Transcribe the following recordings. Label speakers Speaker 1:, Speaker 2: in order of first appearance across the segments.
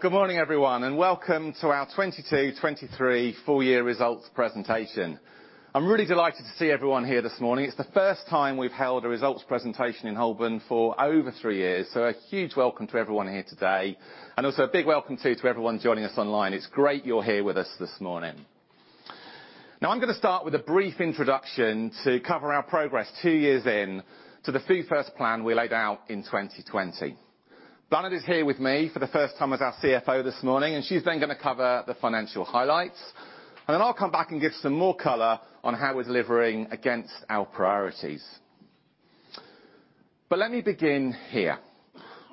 Speaker 1: Good morning, everyone, welcome to our 2022-2023 Full Year Results Presentation. I'm really delighted to see everyone here this morning. It's the first time we've held a results presentation in Holborn for over three years, a huge welcome to everyone here today. Also a big welcome, too, to everyone joining us online. It's great you're here with us this morning. Now, I'm going to start with a brief introduction to cover our progress two years into the Food First plan we laid out in 2020. Bláthnaid is here with me for the first time as our CFO this morning, and she's then going to cover the financial highlights. I'll come back and give some more color on how we're delivering against our priorities. Let me begin here,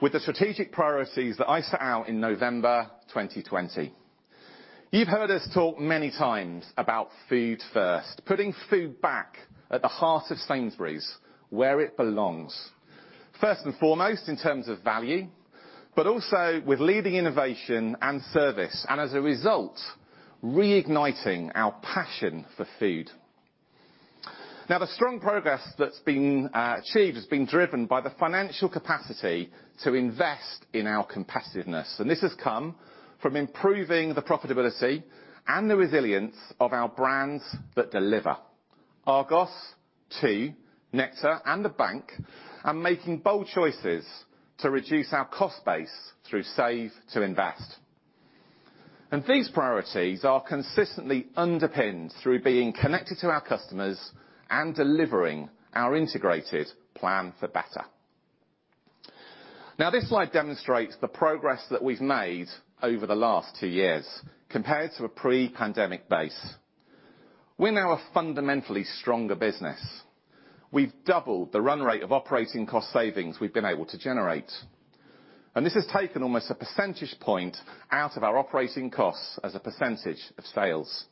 Speaker 1: with the strategic priorities that I set out in November 2020. You've heard us talk many times about Food First, putting food back at the heart of Sainsbury's, where it belongs, first and foremost in terms of value, but also with leading innovation and service, and as a result, reigniting our passion for food. The strong progress that's been achieved has been driven by the financial capacity to invest in our competitiveness, and this has come from improving the profitability and the resilience of our Brands that Deliver. Argos, Tu, Nectar, and the bank, are making bold choices to reduce our cost base through Save to Invest. These priorities are consistently underpinned through being connected to our customers and delivering our integrated Plan for Better. This slide demonstrates the progress that we've made over the last two years compared to a pre-pandemic base. We're now a fundamentally stronger business. We've doubled the run rate of operating cost savings we've been able to generate. This has taken almost a percentage point out of our operating costs as a percentage of sales.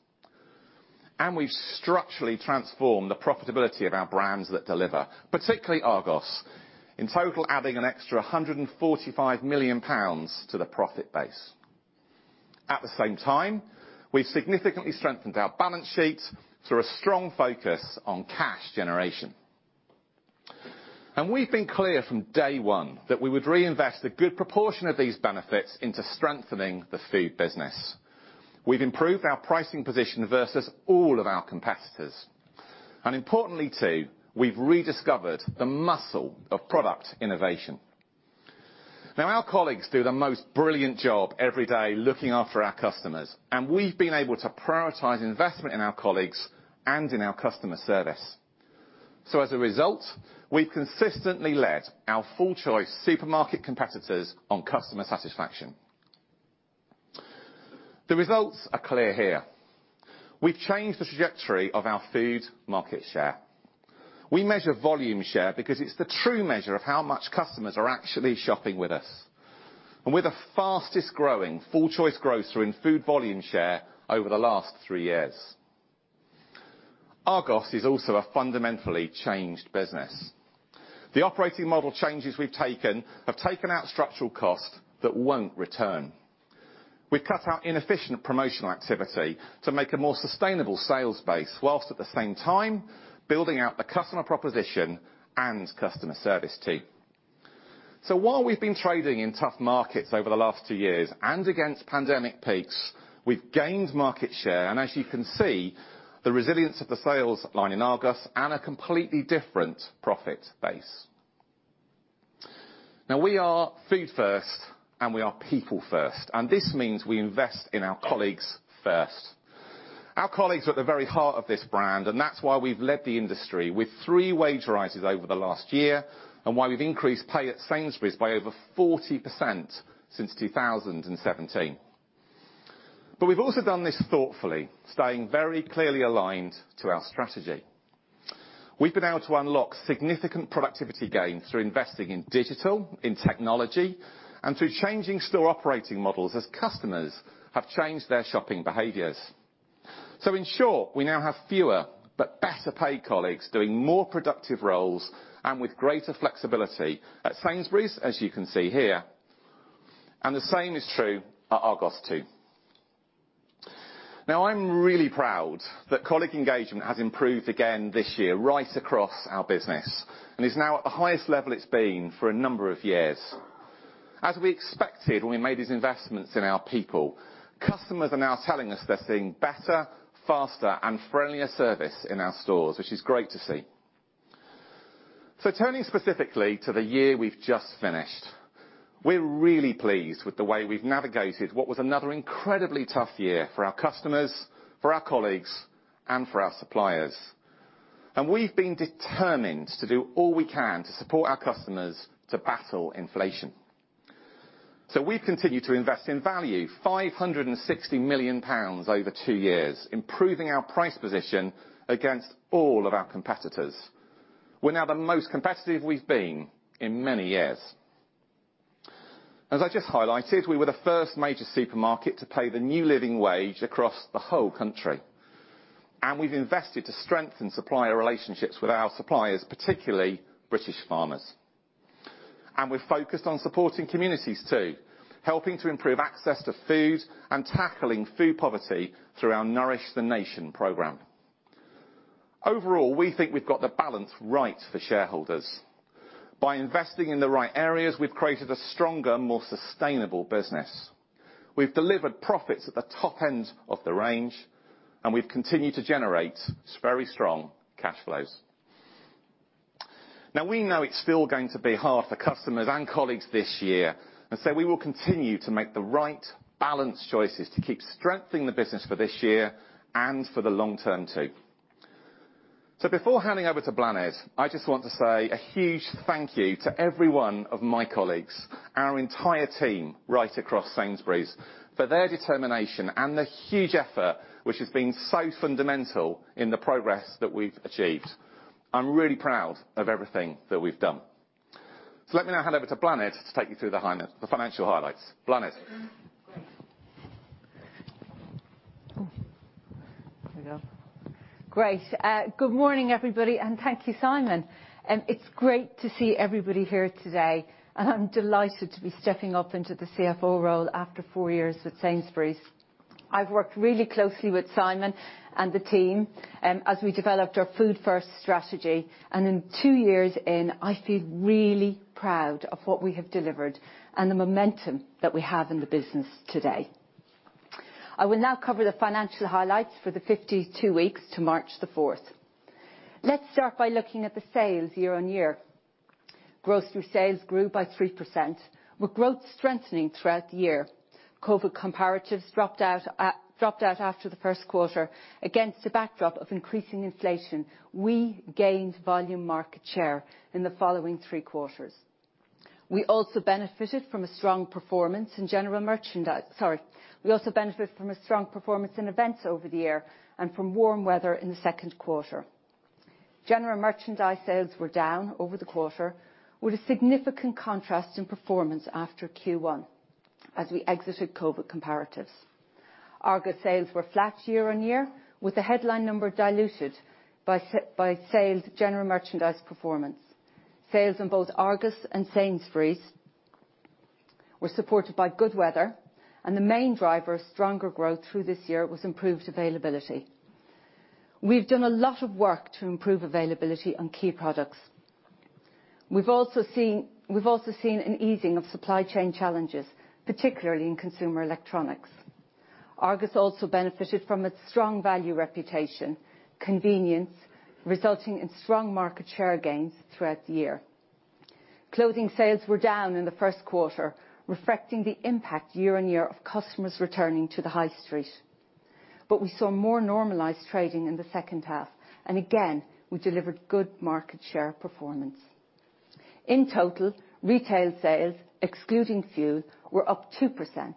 Speaker 1: We've structurally transformed the profitability of our Brands that Deliver, particularly Argos, in total adding an extra 145 million pounds to the profit base. At the same time, we've significantly strengthened our balance sheet through a strong focus on cash generation. We've been clear from day one that we would reinvest a good proportion of these benefits into strengthening the food business. We've improved our pricing position versus all of our competitors. Importantly, too, we've rediscovered the muscle of product innovation. Our colleagues do the most brilliant job every day looking after our customers, and we've been able to prioritize investment in our colleagues and in our customer service. As a result, we've consistently led our full choice supermarket competitors on customer satisfaction. The results are clear here. We've changed the trajectory of our food market share. We measure volume share because it's the true measure of how much customers are actually shopping with us. We're the fastest-growing full-choice grocer in food volume share over the last three years. Argos is also a fundamentally changed business. The operating model changes we've taken have taken out structural cost that won't return. We've cut out inefficient promotional activity to make a more sustainable sales base whilst at the same time building out the customer proposition and customer service team. While we've been trading in tough markets over the last two years and against pandemic peaks, we've gained market share, and as you can see, the resilience of the sales line in Argos and a completely different profit base. We are Food First. We are people first, and this means we invest in our colleagues first. Our colleagues are at the very heart of this brand, and that's why we've led the industry with three wage rises over the last year and why we've increased pay at Sainsbury's by over 40% since 2017. We've also done this thoughtfully, staying very clearly aligned to our strategy. We've been able to unlock significant productivity gains through investing in digital, in technology, and through changing store operating models as customers have changed their shopping behaviors. In short, we now have fewer but better-paid colleagues doing more productive roles and with greater flexibility at Sainsbury's, as you can see here. The same is true at Argos, too. I'm really proud that colleague engagement has improved again this year right across our business and is now at the highest level it's been for a number of years. As we expected when we made these investments in our people, customers are now telling us they're seeing better, faster, and friendlier service in our stores, which is great to see. Turning specifically to the year we've just finished, we're really pleased with the way we've navigated what was another incredibly tough year for our customers, for our colleagues, and for our suppliers. We've been determined to do all we can to support our customers to battle inflation. We've continued to invest in value, 560 million pounds over two years, improving our price position against all of our competitors. We're now the most competitive we've been in many years. As I just highlighted, we were the first major supermarket to pay the new living wage across the whole country. We've invested to strengthen supplier relationships with our suppliers, particularly British farmers. We're focused on supporting communities too, helping to improve access to food and tackling food poverty through our Nourish the Nation program. Overall, we think we've got the balance right for shareholders. By investing in the right areas, we've created a stronger, more sustainable business. We've delivered profits at the top end of the range, and we've continued to generate very strong cash flows. We know it's still going to be hard for customers and colleagues this year, and so we will continue to make the right balanced choices to keep strengthening the business for this year and for the long term too. Before handing over to Bláthnaid, I just want to say a huge thank you to every one of my colleagues, our entire team right across Sainsbury's, for their determination and the huge effort, which has been so fundamental in the progress that we've achieved. I'm really proud of everything that we've done. Let me now hand over to Bláthnaid to take you through the financial highlights. Bláthnaid.
Speaker 2: Great. Here we go. Great. Good morning, everybody. Thank you, Simon. It's great to see everybody here today, and I'm delighted to be stepping up into the CFO role after four years with Sainsbury's. I've worked really closely with Simon and the team, as we developed our Food First strategy, and in two years in, I feel really proud of what we have delivered and the momentum that we have in the business today. I will now cover the financial highlights for the 52 weeks to March 4. Let's start by looking at the sales year-on-year. Grocery sales grew by 3%, with growth strengthening throughout the year. COVID comparatives dropped out after the first quarter against the backdrop of increasing inflation. We gained volume market share in the following three quarters. We also benefited from a strong performance in general merchandise. Sorry. We also benefit from a strong performance in events over the year and from warm weather in the second quarter. General merchandise sales were down over the quarter with a significant contrast in performance after Q1 as we exited COVID comparatives. Argos sales were flat year-over-year with the headline number diluted by sales general merchandise performance. Sales in both Argos and Sainsbury's were supported by good weather, and the main driver of stronger growth through this year was improved availability. We've done a lot of work to improve availability on key products. We've also seen an easing of supply chain challenges, particularly in consumer electronics. Argos also benefited from its strong value reputation, convenience, resulting in strong market share gains throughout the year. Clothing sales were down in the first quarter, reflecting the impact year-on-year of customers returning to the high street. We saw more normalized trading in the second half. Again, we delivered good market share performance. In total, retail sales, excluding fuel, were up 2%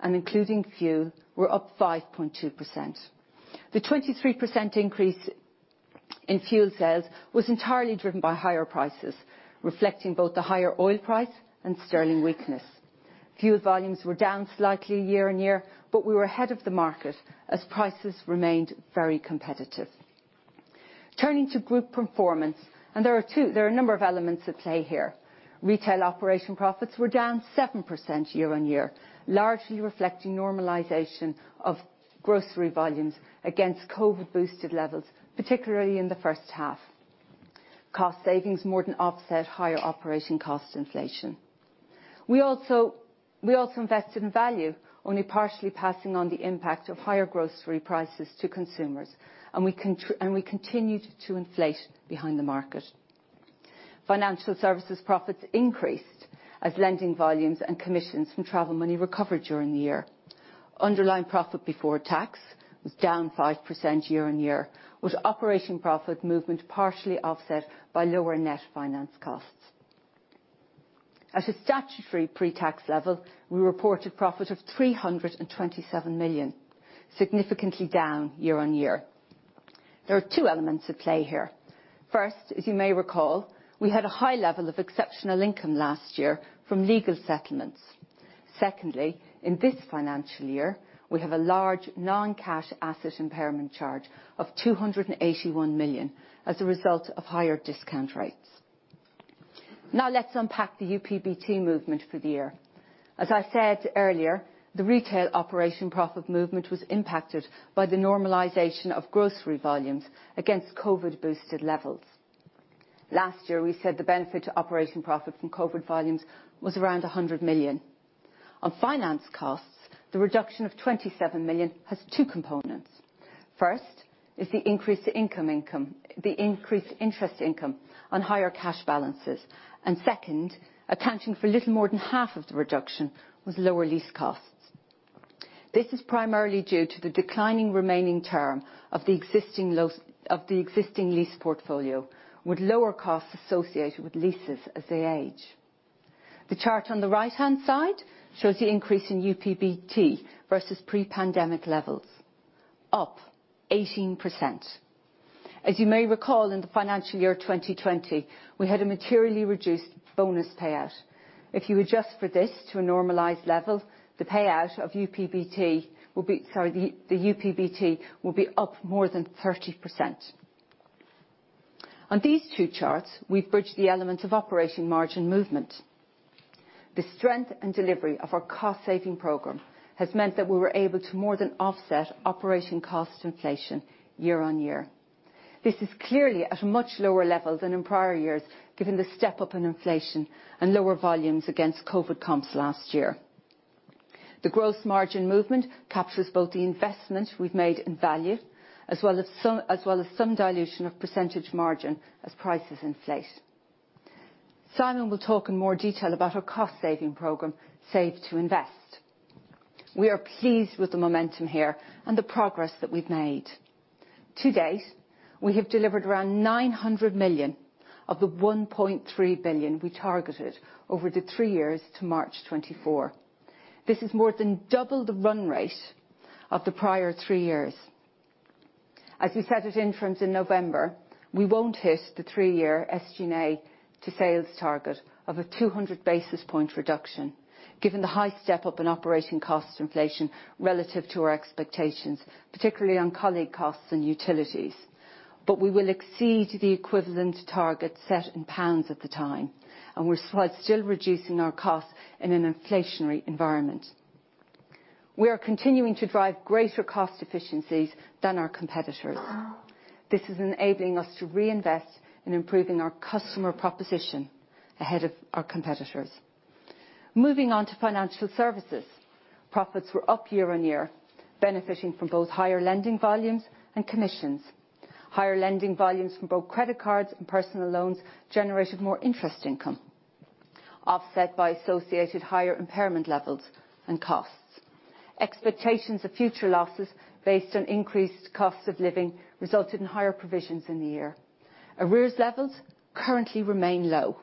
Speaker 2: and including fuel were up 5.2%. The 23% increase in fuel sales was entirely driven by higher prices, reflecting both the higher oil price and sterling weakness. Fuel volumes were down slightly year-on-year, but we were ahead of the market as prices remained very competitive. Turning to group performance, and there are a number of elements at play here. Retail operation profits were down 7% year-on-year, largely reflecting normalization of grocery volumes against COVID-boosted levels, particularly in the first half. Cost savings more than offset higher operation cost inflation. We also invested in value, only partially passing on the impact of higher grocery prices to consumers. We continued to inflate behind the market. Financial services profits increased as lending volumes and commissions from travel money recovered during the year. Underlying profit before tax was down 5% year-on-year, with operating profit movement partially offset by lower net finance costs. At a statutory pre-tax level, we reported profit of 327 million, significantly down year-on-year. There are two elements at play here. First, as you may recall, we had a high level of exceptional income last year from legal settlements. Secondly, in this financial year, we have a large non-cash asset impairment charge of 281 million as a result of higher discount rates. Let's unpack the UPBT movement for the year. As I said earlier, the retail operation profit movement was impacted by the normalization of grocery volumes against COVID-boosted levels. Last year, we said the benefit to operating profit from COVID volumes was around 100 million. On finance costs, the reduction of 27 million has two components. First, is the increased interest income on higher cash balances. Second, accounting for a little more than half of the reduction was lower lease costs. This is primarily due to the declining remaining term of the existing lease portfolio with lower costs associated with leases as they age. The chart on the right-hand side shows the increase in UPBT versus pre-pandemic levels, up 18%. As you may recall, in the financial year 2020, we had a materially reduced bonus payout. If you adjust for this to a normalized level, the UPBT will be up more than 30%. On these two charts, we've bridged the element of operating margin movement. The strength and delivery of our cost-saving program has meant that we were able to more than offset operating cost inflation year-over-year. This is clearly at a much lower level than in prior years, given the step-up in inflation and lower volumes against COVID comps last year. The growth margin movement captures both the investment we've made in value, as well as some dilution of percentage margin as prices inflate. Simon will talk in more detail about our cost-saving program, Save to Invest. We are pleased with the momentum here and the progress that we've made. To date, we have delivered around 900 million of the 1.3 billion we targeted over the three years to March 2024. This is more than double the run rate of the prior three years. As we said at Interim in November, we won't hit the three-year SG&A to sales target of a 200 basis point reduction, given the high step-up in operating cost inflation relative to our expectations, particularly on colleague costs and utilities. We will exceed the equivalent target set in pounds at the time, and we're still reducing our costs in an inflationary environment. We are continuing to drive greater cost efficiencies than our competitors. This is enabling us to reinvest in improving our customer proposition ahead of our competitors. Moving on to financial services. Profits were up year-on-year, benefiting from both higher lending volumes and commissions. Higher lending volumes from both credit cards and personal loans generated more interest income, offset by associated higher impairment levels and costs. Expectations of future losses based on increased costs of living resulted in higher provisions in the year. Arrears levels currently remain low.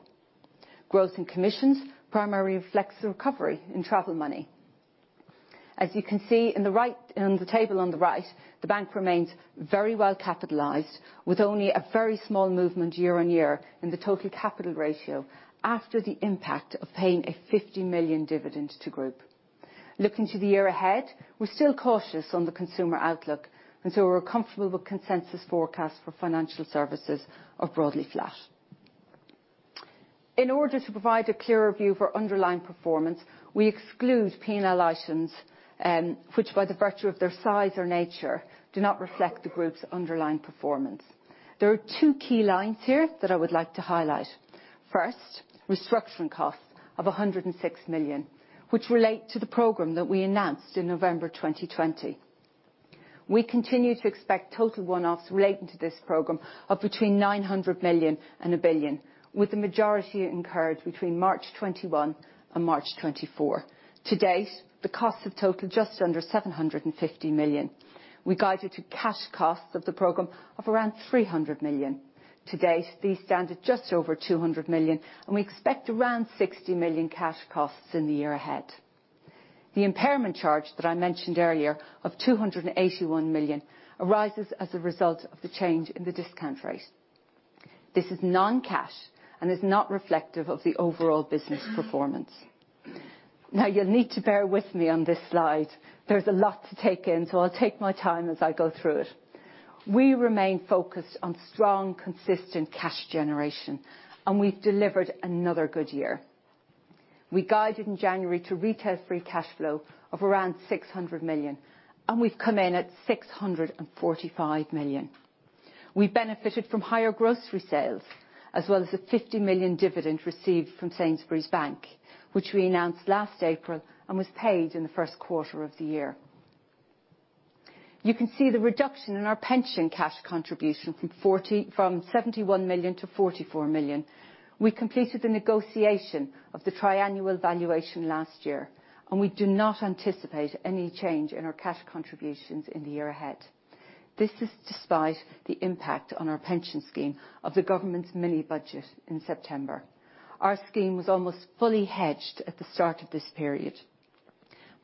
Speaker 2: Growth in commissions primarily reflects the recovery in travel money. As you can see in the right, in the table on the right, the bank remains very well capitalized, with only a very small movement year-on-year in the total capital ratio after the impact of paying a 50 million dividend to group. Looking to the year ahead, we're still cautious on the consumer outlook, and so we're comfortable with consensus forecast for financial services are broadly flat. In order to provide a clearer view for underlying performance, we exclude P&L items, which by the virtue of their size or nature, do not reflect the group's underlying performance. There are two key lines here that I would like to highlight. First, restructuring costs of 106 million, which relate to the program that we announced in November 2020. We continue to expect total one-offs relating to this program of between 900 million and 1 billion, with the majority incurred between March 2021 and March 2024. To date, the costs have totaled just under 750 million. We guided to cash costs of the program of around 300 million. To date, these stand at just over 200 million, and we expect around 60 million cash costs in the year ahead. The impairment charge that I mentioned earlier of 281 million arises as a result of the change in the discount rate. This is non-cash and is not reflective of the overall business performance. You'll need to bear with me on this slide. There's a lot to take in, so I'll take my time as I go through it. We remain focused on strong, consistent cash generation, and we've delivered another good year. We guided in January to Retail Free Cash Flow of around 600 million, and we've come in at 645 million. We benefited from higher grocery sales, as well as a 50 million dividend received from Sainsbury's Bank, which we announced last April and was paid in the first quarter of the year. You can see the reduction in our pension cash contribution from 71 million to 44 million. We completed the negotiation of the triennial valuation last year, and we do not anticipate any change in our cash contributions in the year ahead. This is despite the impact on our pension scheme of the government's mini budget in September. Our scheme was almost fully hedged at the start of this period.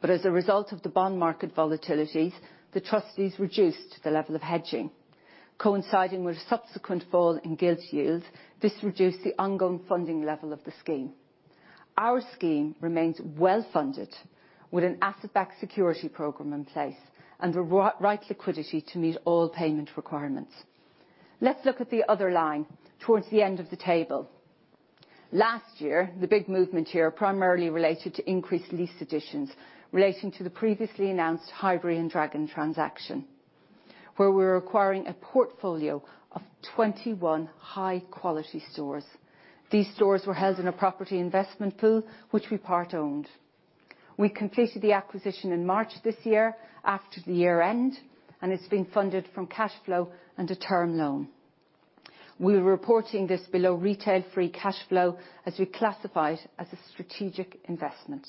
Speaker 2: As a result of the bond market volatility, the trustees reduced the level of hedging. Coinciding with a subsequent fall in gilt yield, this reduced the ongoing funding level of the scheme. Our scheme remains well funded with an asset-backed security program in place and the right liquidity to meet all payment requirements. Let's look at the other line towards the end of the table. Last year, the big movement here primarily related to increased lease additions relating to the previously announced Highbury and Dragon transaction, where we're acquiring a portfolio of 21 high-quality stores. These stores were held in a property investment pool, which we part-owned. We completed the acquisition in March this year after the year-end, and it's been funded from cash flow and a term loan. We're reporting this below Retail Free Cash Flow as we classified as a strategic investment.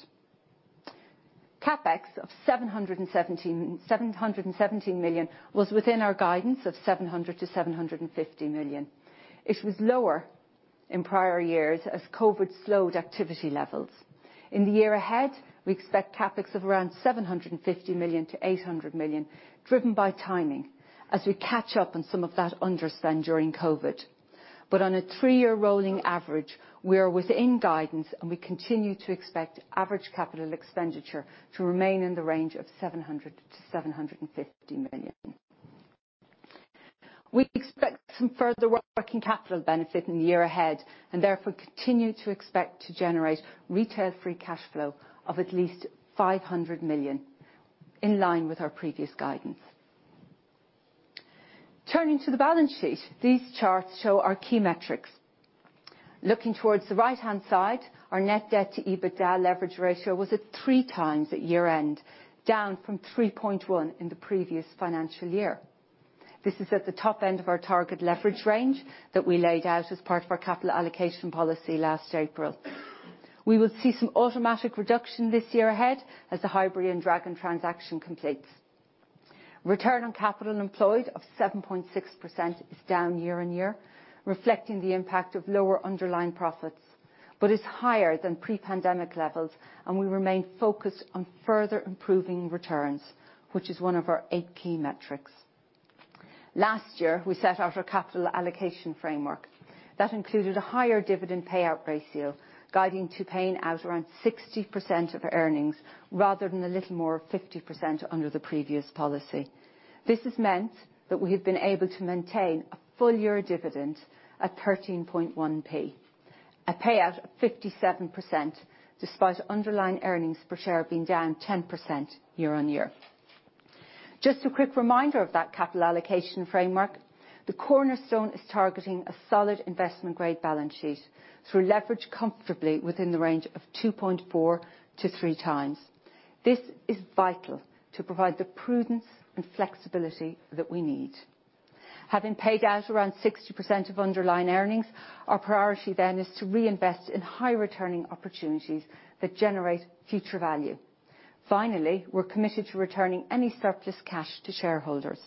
Speaker 2: CapEx of 717 million was within our guidance of 700 million-750 million. It was lower in prior years as COVID slowed activity levels. In the year ahead, we expect CapEx of around 750 million-800 million, driven by timing as we catch up on some of that underspend during COVID. On a three-year rolling average, we're within guidance, and we continue to expect average capital expenditure to remain in the range of 700 million-750 million. We expect some further working capital benefit in the year ahead, and therefore continue to expect to generate Retail Free Cash Flow of at least 500 million, in line with our previous guidance. Turning to the balance sheet, these charts show our key metrics. Looking towards the right-hand side, our net debt to EBITDA leverage ratio was at 3x at year-end, down from 3.1 in the previous financial year. This is at the top end of our target leverage range that we laid out as part of our capital allocation policy last April. We will see some automatic reduction this year ahead as the Highbury and Dragon transaction completes. Return on capital employed of 7.6% is down year-over-year, reflecting the impact of lower underlying profits, but is higher than pre-pandemic levels. We remain focused on further improving returns, which is one of our eight key metrics. Last year, we set out our capital allocation framework that included a higher dividend payout ratio, guiding to paying out around 60% of earnings rather than a little more of 50% under the previous policy. This has meant that we have been able to maintain a full year dividend at 13.1p, a payout of 57%, despite underlying earnings per share being down 10% year-over-year. Just a quick reminder of that capital allocation framework. The cornerstone is targeting a solid investment grade balance sheet through leverage comfortably within the range of 2.4-3x. This is vital to provide the prudence and flexibility that we need. Having paid out around 60% of underlying earnings, our priority then is to reinvest in high returning opportunities that generate future value. We're committed to returning any surplus cash to shareholders.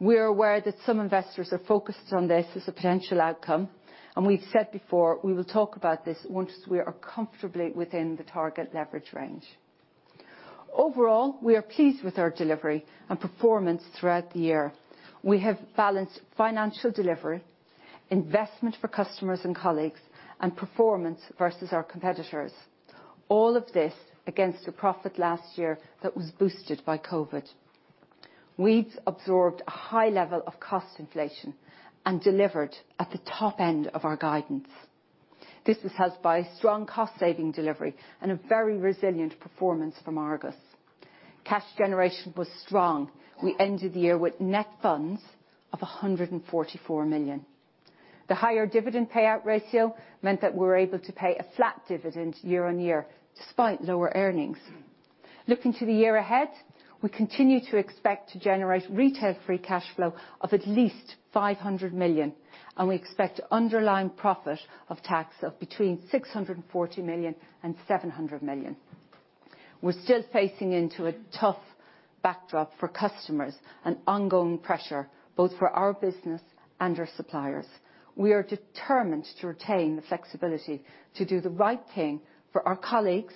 Speaker 2: We're aware that some investors are focused on this as a potential outcome, and we've said before we will talk about this once we are comfortably within the target leverage range. We are pleased with our delivery and performance throughout the year. We have balanced financial delivery, investment for customers and colleagues, and performance versus our competitors. All of this against a profit last year that was boosted by COVID. We've absorbed a high level of cost inflation and delivered at the top end of our guidance. This was helped by strong cost saving delivery and a very resilient performance from Argos. Cash generation was strong. We ended the year with net funds of 144 million. The higher dividend payout ratio meant that we were able to pay a flat dividend year-over-year despite lower earnings. Looking to the year ahead, we continue to expect to generate Retail Free Cash Flow of at least 500 million, and we expect underlying profit of tax of between 640 million and 700 million. We're still facing into a tough backdrop for customers and ongoing pressure, both for our business and our suppliers. We are determined to retain the flexibility to do the right thing for our colleagues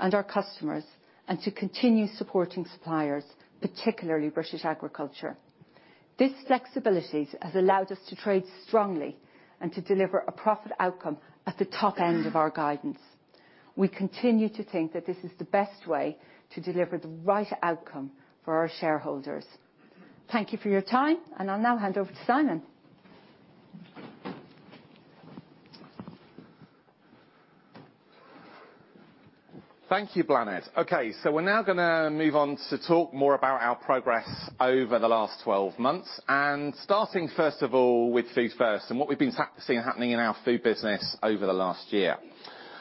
Speaker 2: and our customers, and to continue supporting suppliers, particularly British Agriculture. This flexibility has allowed us to trade strongly and to deliver a profit outcome at the top end of our guidance. We continue to think that this is the best way to deliver the right outcome for our shareholders. Thank you for your time, and I'll now hand over to Simon.
Speaker 1: Thank you, Bláthnaid. Okay, we're now gonna move on to talk more about our progress over the last 12 months. Starting, first of all, with Food First and what we've been seeing happening in our food business over the last year.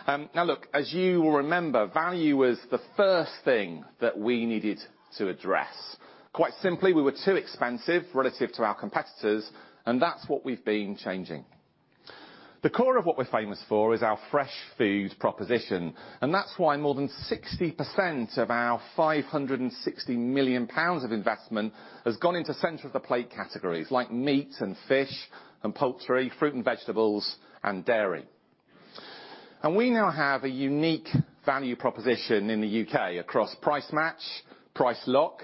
Speaker 1: Now look, as you will remember, value was the first thing that we needed to address. Quite simply, we were too expensive relative to our competitors, and that's what we've been changing. The core of what we're famous for is our fresh food proposition, and that's why more than 60% of our 560 million pounds of investment has gone into center of the plate categories like meat and fish and poultry, fruit and vegetables, and dairy. We now have a unique value proposition in the U.K. across Price Match, Price Lock,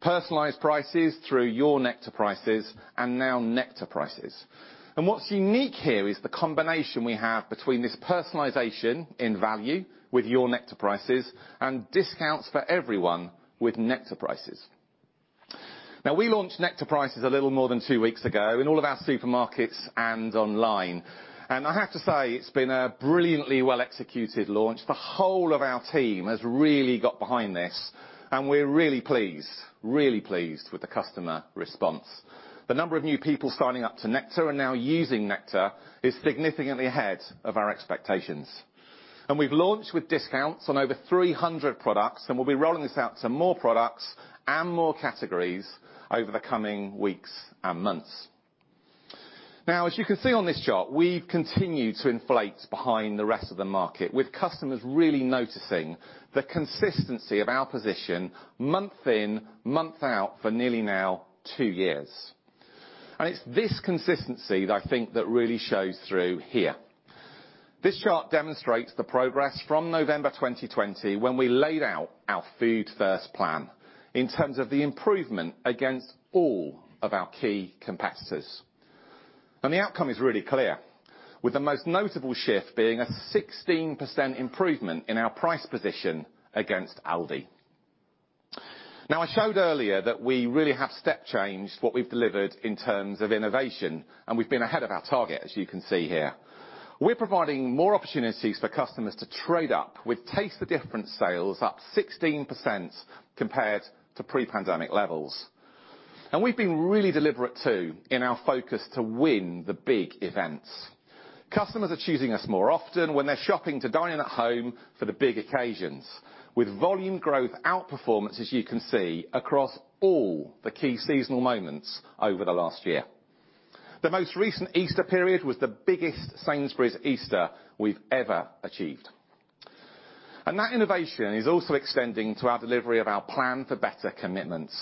Speaker 1: personalized prices through Your Nectar Prices, and now Nectar Prices. What's unique here is the combination we have between this personalization in value with Your Nectar Prices and discounts for everyone with Nectar Prices. Now, we launched Nectar Prices a little more than two weeks ago in all of our supermarkets and online. I have to say it's been a brilliantly well-executed launch. The whole of our team has really got behind this, and we're really pleased with the customer response. The number of new people signing up to Nectar and now using Nectar is significantly ahead of our expectations. We've launched with discounts on over 300 products, and we'll be rolling this out to more products and more categories over the coming weeks and months. As you can see on this chart, we've continued to inflate behind the rest of the market, with customers really noticing the consistency of our position month in, month out for nearly now two years. It's this consistency that I think that really shows through here. This chart demonstrates the progress from November 2020 when we laid out our Food First plan in terms of the improvement against all of our key competitors. The outcome is really clear, with the most notable shift being a 16% improvement in our price position against Aldi. I showed earlier that we really have step changed what we've delivered in terms of innovation, and we've been ahead of our target, as you can see here. We're providing more opportunities for customers to trade up, with Taste the Difference sales up 16% compared to pre-pandemic levels. We've been really deliberate, too, in our focus to win the big events. Customers are choosing us more often when they're shopping to dine-in at home for the big occasions. With volume growth outperformance, as you can see, across all the key seasonal moments over the last year. The most recent Easter period was the biggest Sainsbury's Easter we've ever achieved. That innovation is also extending to our delivery of our Plan for Better commitments.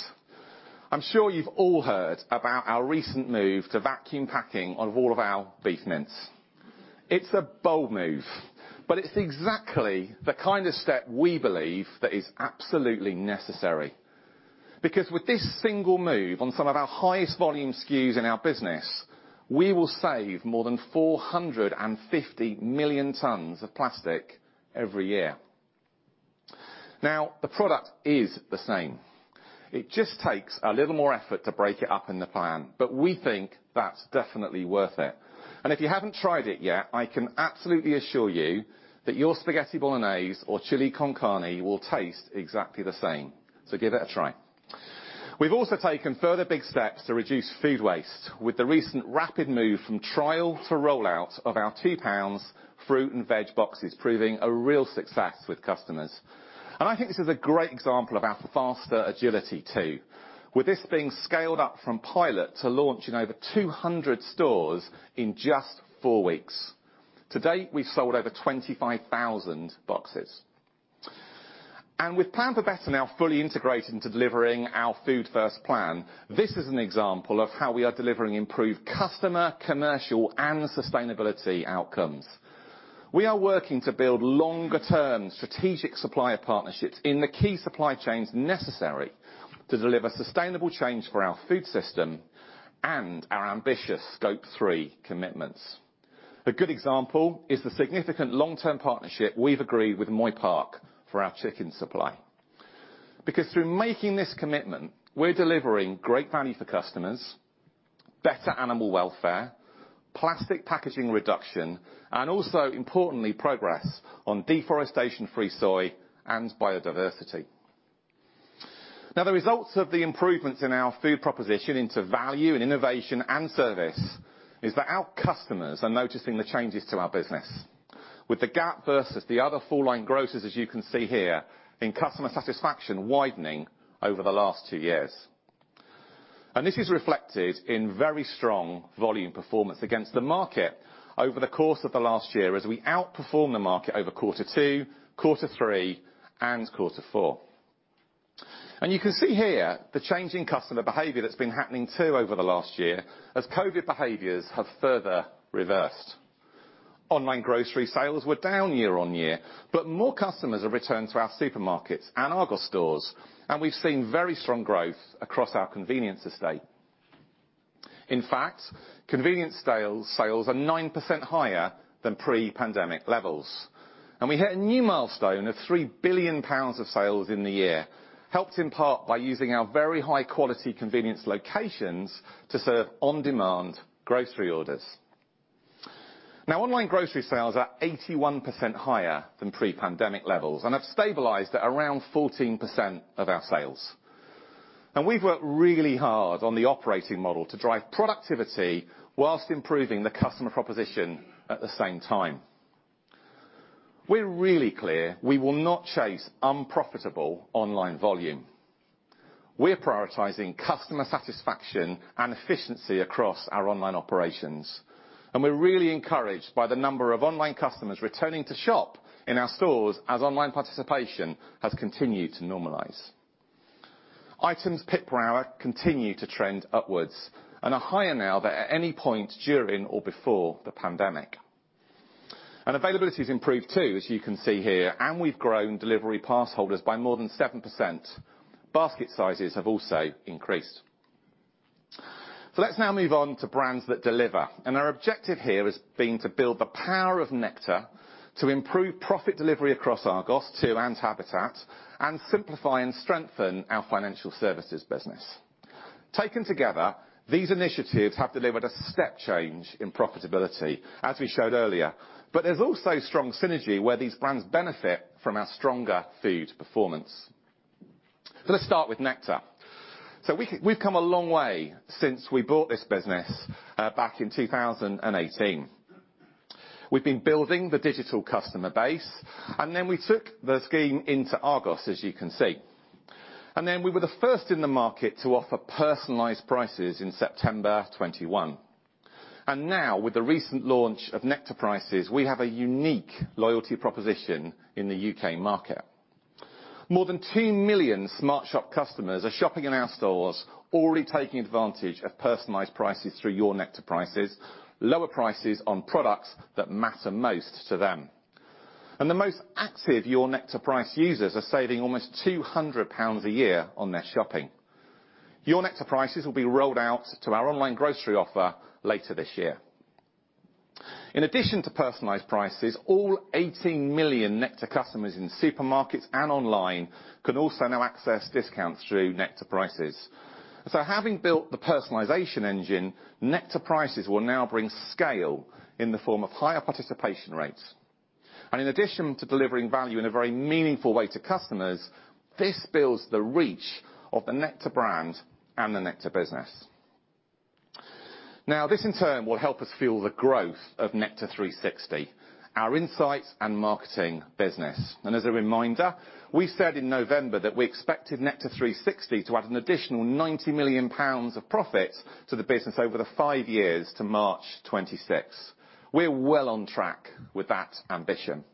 Speaker 1: I'm sure you've all heard about our recent move to vacuum packing on all of our beef mince. It's a bold move, but it's exactly the kind of step we believe that is absolutely necessary. Because with this single move on some of our highest volume SKUs in our business, we will save more than 450 million tons of plastic every year. Now, the product is the same. It just takes a little more effort to break it up in the plan, but we think that's definitely worth it. If you haven't tried it yet, I can absolutely assure you that your spaghetti bolognese or chili con carne will taste exactly the same. Give it a try. We've also taken further big steps to reduce food waste with the recent rapid move from trial to rollout of our 2 pounds fruit and veg boxes, proving a real success with customers. I think this is a great example of our faster agility, too. With this being scaled up from pilot to launch in over 200 stores in just four weeks. To date, we've sold over 25,000 boxes. With Plan for Better now fully integrated into delivering our Food First plan, this is an example of how we are delivering improved customer, commercial and sustainability outcomes. We are working to build longer-term strategic supplier partnerships in the key supply chains necessary to deliver sustainable change for our food system and our ambitious Scope 3 commitments. A good example is the significant long-term partnership we've agreed with Moy Park for our chicken supply. Through making this commitment, we're delivering great value for customers, better animal welfare, plastic packaging reduction, and also, importantly, progress on deforestation-free soy and biodiversity. The results of the improvements in our food proposition into value and innovation and service is that our customers are noticing the changes to our business, with the gap versus the other full line grocers, as you can see here, in customer satisfaction widening over the last two years. This is reflected in very strong volume performance against the market over the course of the last year as we outperformed the market over quarter two, quarter three and quarter four. You can see here the change in customer behavior that's been happening, too, over the last year, as COVID behaviors have further reversed. Online grocery sales were down year-on-year, but more customers have returned to our supermarkets and Argos stores, and we've seen very strong growth across our convenience estate. In fact, convenience sales are 9% higher than pre-pandemic levels. We hit a new milestone of 3 billion pounds of sales in the year, helped in part by using our very high-quality convenience locations to serve on-demand grocery orders. Online grocery sales are 81% higher than pre-pandemic levels and have stabilized at around 14% of our sales. We've worked really hard on the operating model to drive productivity while improving the customer proposition at the same time. We're really clear we will not chase unprofitable online volume. We're prioritizing customer satisfaction and efficiency across our online operations, and we're really encouraged by the number of online customers returning to shop in our stores as online participation has continued to normalize. Items picked per hour continue to trend upwards and are higher now than at any point during or before the pandemic. Availability has improved too, as you can see here, and we've grown delivery pass holders by more than 7%. Basket sizes have also increased. Let's now move on to Brands that Deliver, and our objective here has been to build the power of Nectar to improve profit delivery across Argos and Habitat and simplify and strengthen our financial services business. Taken together, these initiatives have delivered a step change in profitability, as we showed earlier. There's also strong synergy where these brands benefit from our stronger food performance. Let's start with Nectar. We've come a long way since we bought this business back in 2018. We've been building the digital customer base, and then we took the scheme into Argos, as you can see. We were the first in the market to offer personalized prices in September 2021. With the recent launch of Nectar Prices, we have a unique loyalty proposition in the U.K. market. More than 2 million SmartShop customers are shopping in our stores, already taking advantage of personalized prices through Your Nectar Prices, lower prices on products that matter most to them. The most active Your Nectar Prices users are saving almost 200 pounds a year on their shopping. Your Nectar Prices will be rolled out to our online grocery offer later this year. In addition to personalized prices, all 18 million Nectar customers in supermarkets and online can also now access discounts through Nectar Prices. Having built the personalization engine, Nectar Prices will now bring scale in the form of higher participation rates. In addition to delivering value in a very meaningful way to customers, this builds the reach of the Nectar brand and the Nectar business. This in turn will help us fuel the growth of Nectar360, our insights and marketing business. As a reminder, we said in November that we expected Nectar360 to add an additional 90 million pounds of profit to the business over the five years to March 2026. We're well on track with that ambition.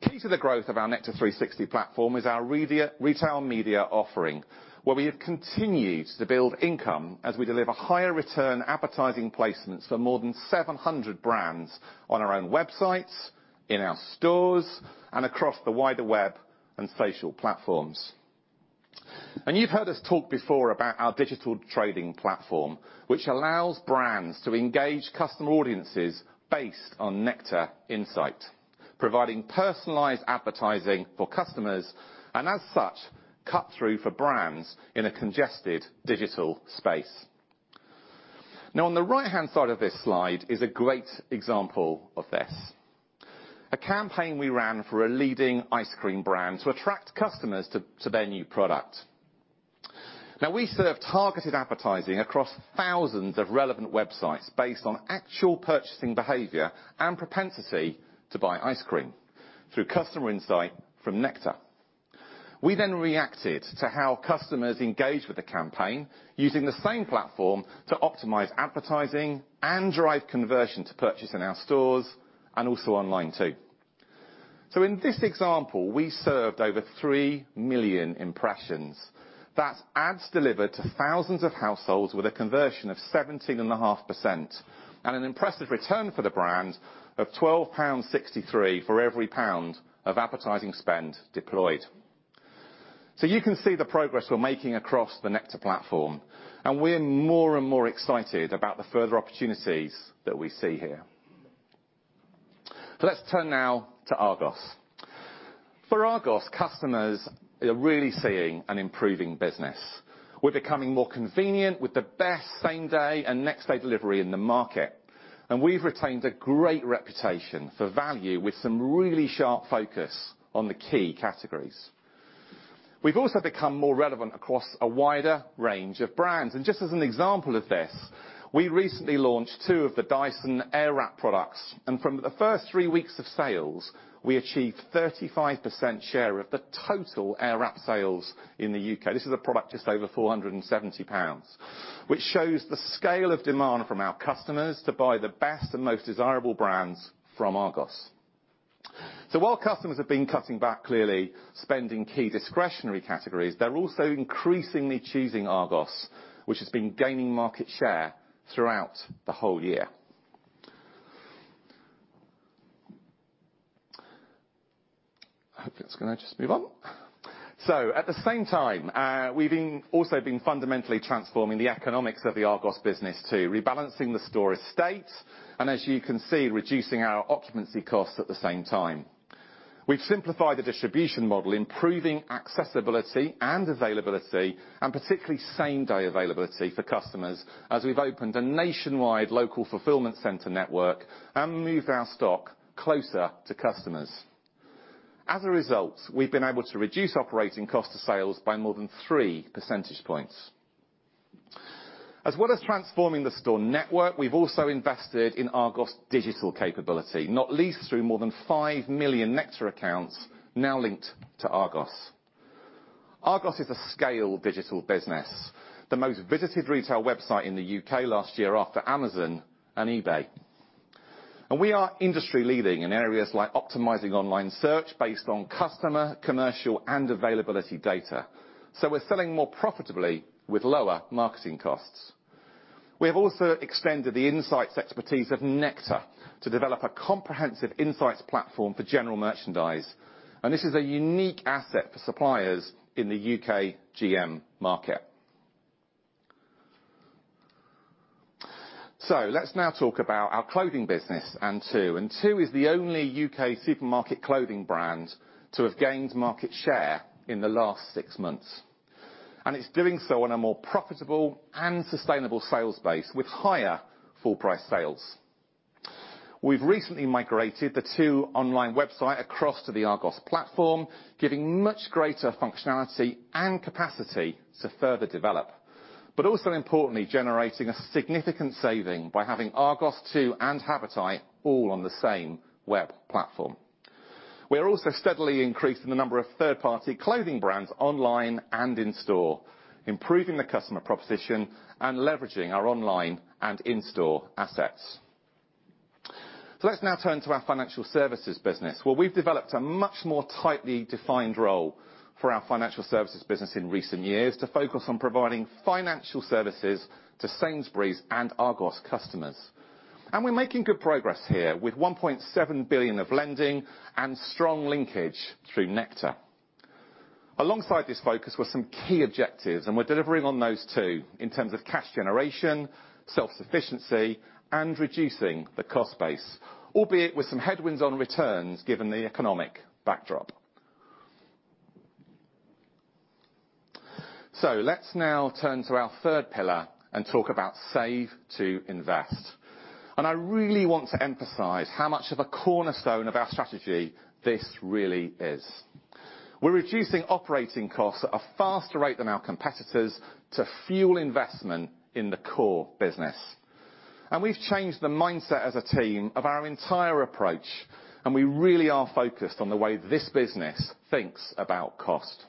Speaker 1: Key to the growth of our Nectar360 platform is our retail media offering, where we have continued to build income as we deliver higher return advertising placements for more than 700 brands on our own websites, in our stores, and across the wider web and social platforms. You've heard us talk before about our digital trading platform, which allows brands to engage customer audiences based on Nectar insight, providing personalized advertising for customers and, as such, cut through for brands in a congested digital space. On the right-hand side of this slide is a great example of this, a campaign we ran for a leading ice cream brand to attract customers to their new product. We served targeted advertising across thousands of relevant websites based on actual purchasing behavior and propensity to buy ice cream through customer insight from Nectar. We reacted to how customers engaged with the campaign using the same platform to optimize advertising and drive conversion to purchase in our stores and also online too. In this example, we served over 3 million impressions. That's ads delivered to thousands of households with a conversion of 17.5% and an impressive return for the brand of 12.63 pounds for every GBP 1 of advertising spend deployed. You can see the progress we're making across the Nectar platform, and we're more and more excited about the further opportunities that we see here. Let's turn now to Argos. For Argos, customers are really seeing an improving business. We're becoming more convenient with the best same-day and next-day delivery in the market. We've retained a great reputation for value with some really sharp focus on the key categories. We've also become more relevant across a wider range of brands. Just as an example of this, we recently launched two of the Dyson Airwrap products. From the first three weeks of sales, we achieved 35% share of the total Airwrap sales in the U.K. This is a product just over 470 pounds, which shows the scale of demand from our customers to buy the best and most desirable brands from Argos. While customers have been cutting back, clearly, spend in key discretionary categories, they're also increasingly choosing Argos, which has been gaining market share throughout the whole year. I hope it's gonna just move on. At the same time, we've also been fundamentally transforming the economics of the Argos business too, rebalancing the store estate and, as you can see, reducing our occupancy costs at the same time. We've simplified the distribution model, improving accessibility and availability and particularly same-day availability for customers, as we've opened a nationwide local fulfillment center network and moved our stock closer to customers. As a result, we've been able to reduce operating cost of sales by more than 3 percentage points. As well as transforming the store network, we've also invested in Argos' digital capability, not least through more than 5 million Nectar accounts now linked to Argos. Argos is a scale digital business, the most visited retail website in the U.K. last year after Amazon and eBay. We are industry-leading in areas like optimizing online search based on customer, commercial, and availability data. We're selling more profitably with lower marketing costs. We have also extended the insights expertise of Nectar to develop a comprehensive insights platform for general merchandise. This is a unique asset for suppliers in the U.K. GM market. Let's now talk about our clothing business, Tu. Tu is the only U.K. supermarket clothing brand to have gained market share in the last six months, and it's doing so on a more profitable and sustainable sales base with higher full-price sales. We've recently migrated the Tu online website across to the Argos platform, giving much greater functionality and capacity to further develop, but also importantly, generating a significant saving by having Argos, Tu, and Habitat all on the same web platform. We are also steadily increasing the number of third-party clothing brands online and in store, improving the customer proposition and leveraging our online and in-store assets. Let's now turn to our financial services business, where we've developed a much more tightly defined role for our financial services business in recent years to focus on providing financial services to Sainsbury's and Argos customers. We're making good progress here with 1.7 billion of lending and strong linkage through Nectar. Alongside this focus were some key objectives. We're delivering on those too, in terms of cash generation, self-sufficiency, and reducing the cost base, albeit with some headwinds on returns given the economic backdrop. Let's now turn to our third pillar and talk about Save to Invest. I really want to emphasize how much of a cornerstone of our strategy this really is. We're reducing operating costs at a faster rate than our competitors to fuel investment in the core business. We've changed the mindset as a team of our entire approach, and we really are focused on the way this business thinks about cost.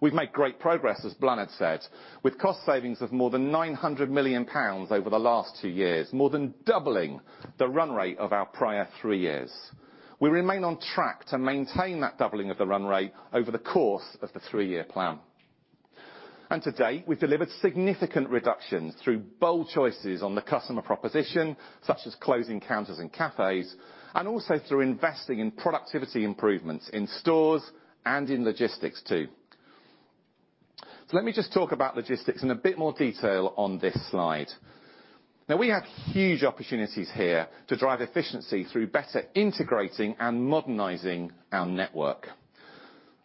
Speaker 1: We've made great progress, as Bláthnaid said, with cost savings of more than 900 million pounds over the last two years, more than doubling the run rate of our prior three years. We remain on track to maintain that doubling of the run rate over the course of the three-year plan. To date, we've delivered significant reductions through bold choices on the customer proposition, such as closing counters and cafes, and also through investing in productivity improvements in stores and in logistics too. Let me just talk about logistics in a bit more detail on this slide. We have huge opportunities here to drive efficiency through better integrating and modernizing our network.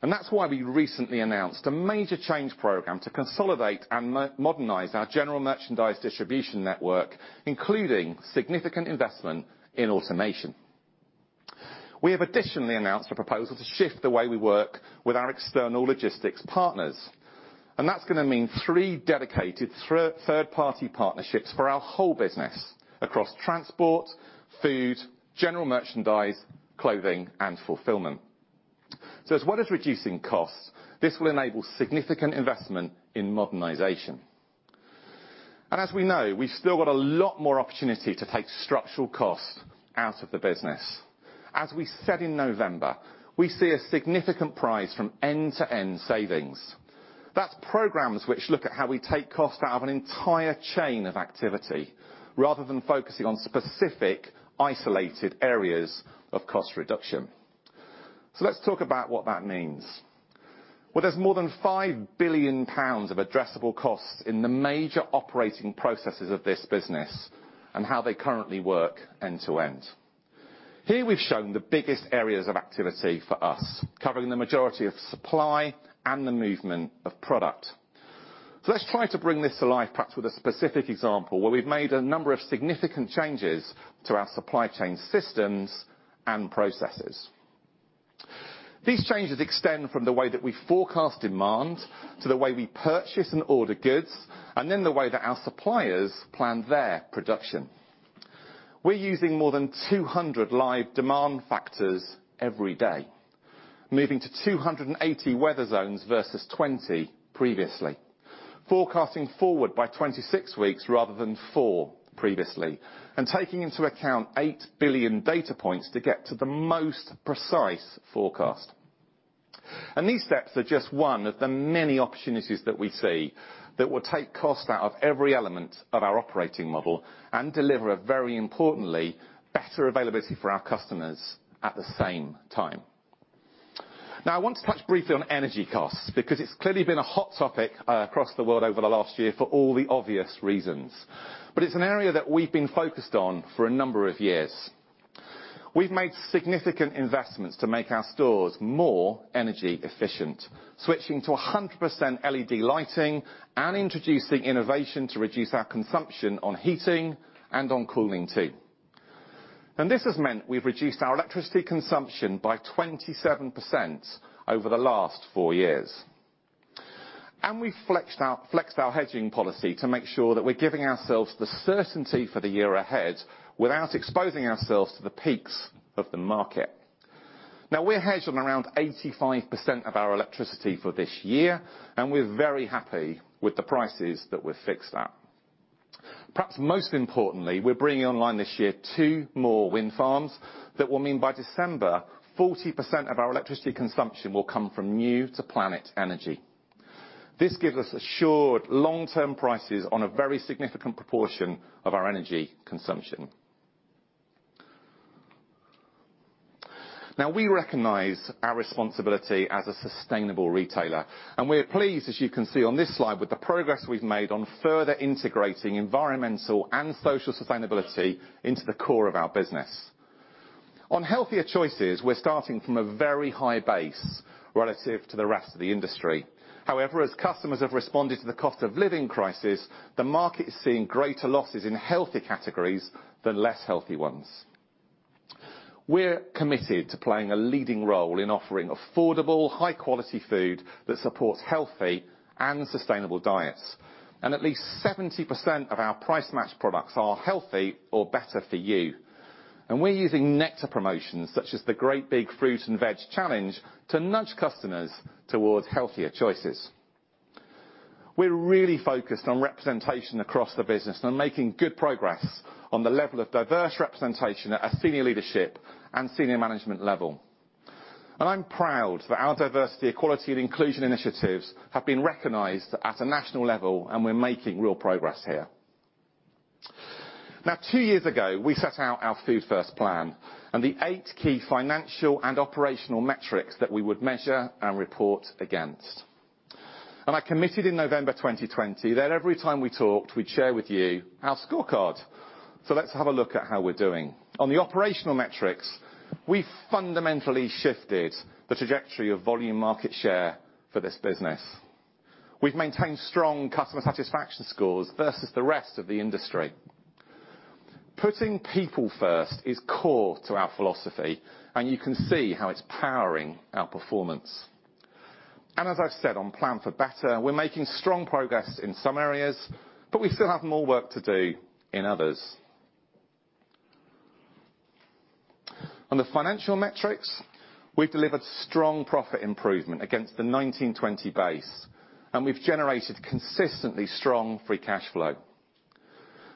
Speaker 1: That's why we recently announced a major change program to consolidate and modernize our general merchandise distribution network, including significant investment in automation. We have additionally announced a proposal to shift the way we work with our external logistics partners, that's gonna mean three dedicated third party partnerships for our whole business across transport, food, general merchandise, clothing, and fulfillment. As well as reducing costs, this will enable significant investment in modernization. As we know, we've still got a lot more opportunity to take structural costs out of the business. As we said in November, we see a significant prize from end-to-end savings. That's programs which look at how we take costs out of an entire chain of activity rather than focusing on specific isolated areas of cost reduction. Let's talk about what that means. There's more than 5 billion pounds of addressable costs in the major operating processes of this business and how they currently work end-to-end. Here, we've shown the biggest areas of activity for us, covering the majority of supply and the movement of product. Let's try to bring this to life perhaps with a specific example where we've made a number of significant changes to our supply chain systems and processes. These changes extend from the way that we forecast demand to the way we purchase and order goods, and then the way that our suppliers plan their production. We're using more than 200 live demand factors every day, moving to 280 weather zones versus 20 previously. Forecasting forward by 26 weeks rather than four previously, and taking into account 8 billion data points to get to the most precise forecast. These steps are just one of the many opportunities that we see that will take cost out of every element of our operating model and deliver a very importantly, better availability for our customers at the same time. Now, I want to touch briefly on energy costs because it's clearly been a hot topic across the world over the last year for all the obvious reasons. It's an area that we've been focused on for a number of years. We've made significant investments to make our stores more energy efficient, switching to 100% LED lighting and introducing innovation to reduce our consumption on heating and on cooling too. This has meant we've reduced our electricity consumption by 27% over the last four years. We flexed our hedging policy to make sure that we're giving ourselves the certainty for the year ahead without exposing ourselves to the peaks of the market. We're hedged on around 85% of our electricity for this year, and we're very happy with the prices that we've fixed that. Perhaps most importantly, we're bringing online this year two more wind farms that will mean by December, 40% of our electricity consumption will come from new to planet energy. This gives us assured long-term prices on a very significant proportion of our energy consumption. We recognize our responsibility as a sustainable retailer, and we're pleased, as you can see on this slide, with the progress we've made on further integrating environmental and social sustainability into the core of our business. On healthier choices, we're starting from a very high base relative to the rest of the industry. However, as customers have responded to the cost of living crisis, the market is seeing greater losses in healthy categories than less healthy ones. We're committed to playing a leading role in offering affordable, high-quality food that supports healthy and sustainable diets. At least 70% of our Price Match products are healthy or better for you. We're using Nectar promotions such as The Great Big Fruit and Veg Challenge to nudge customers towards healthier choices. We're really focused on representation across the business and on making good progress on the level of diverse representation at senior leadership and senior management level. I'm proud that our diversity, equality, and inclusion initiatives have been recognized at a national level, and we're making real progress here. Two years ago, we set out our Food First plan and the eight key financial and operational metrics that we would measure and report against. I committed in November 2020 that every time we talked, we'd share with you our scorecard. Let's have a look at how we're doing. On the operational metrics, we fundamentally shifted the trajectory of volume market share for this business. We've maintained strong customer satisfaction scores versus the rest of the industry. Putting people first is core to our philosophy, and you can see how it's powering our performance. As I've said on Plan for Better, we're making strong progress in some areas, but we still have more work to do in others. On the financial metrics, we've delivered strong profit improvement against the 2019-2020 base, and we've generated consistently strong free cash flow.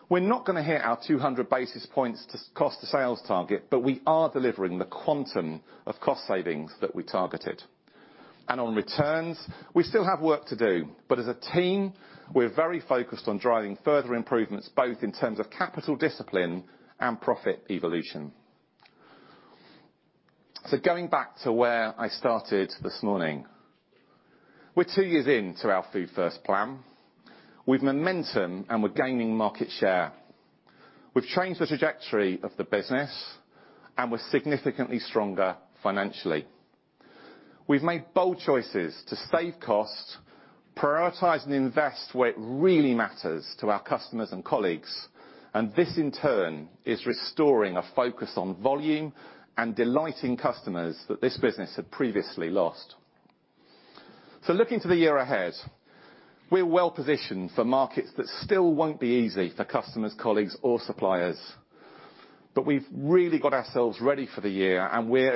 Speaker 1: We're not gonna hit our 200 basis points cost to sales target, but we are delivering the quantum of cost savings that we targeted. On returns, we still have work to do, but as a team, we're very focused on driving further improvements, both in terms of capital discipline and profit evolution. Going back to where I started this morning, we're two years in to our Food First plan with momentum, and we're gaining market share. We've changed the trajectory of the business, and we're significantly stronger financially. We've made bold choices to save costs, prioritize and invest where it really matters to our customers and colleagues. This in turn is restoring a focus on volume and delighting customers that this business had previously lost. Looking to the year ahead, we're well-positioned for markets that still won't be easy for customers, colleagues or suppliers. We've really got ourselves ready for the year, and we've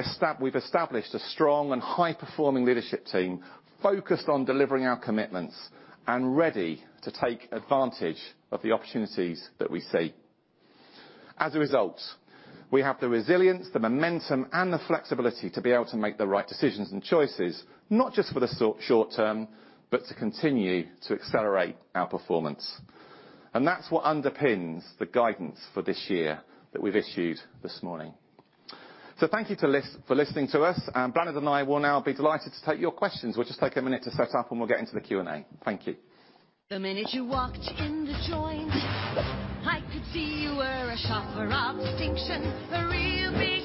Speaker 1: established a strong and high-performing leadership team focused on delivering our commitments and ready to take advantage of the opportunities that we see. As a result, we have the resilience, the momentum, and the flexibility to be able to make the right decisions and choices, not just for the short term, but to continue to accelerate our performance. That's what underpins the guidance for this year that we've issued this morning. Thank you for listening to us. Blanchard and I will now be delighted to take your questions. We'll just take a minute to set up. We'll get into the Q&A. Thank you.
Speaker 3: The minute you walked in the joint, I could see you were a shopper of distinction, a real big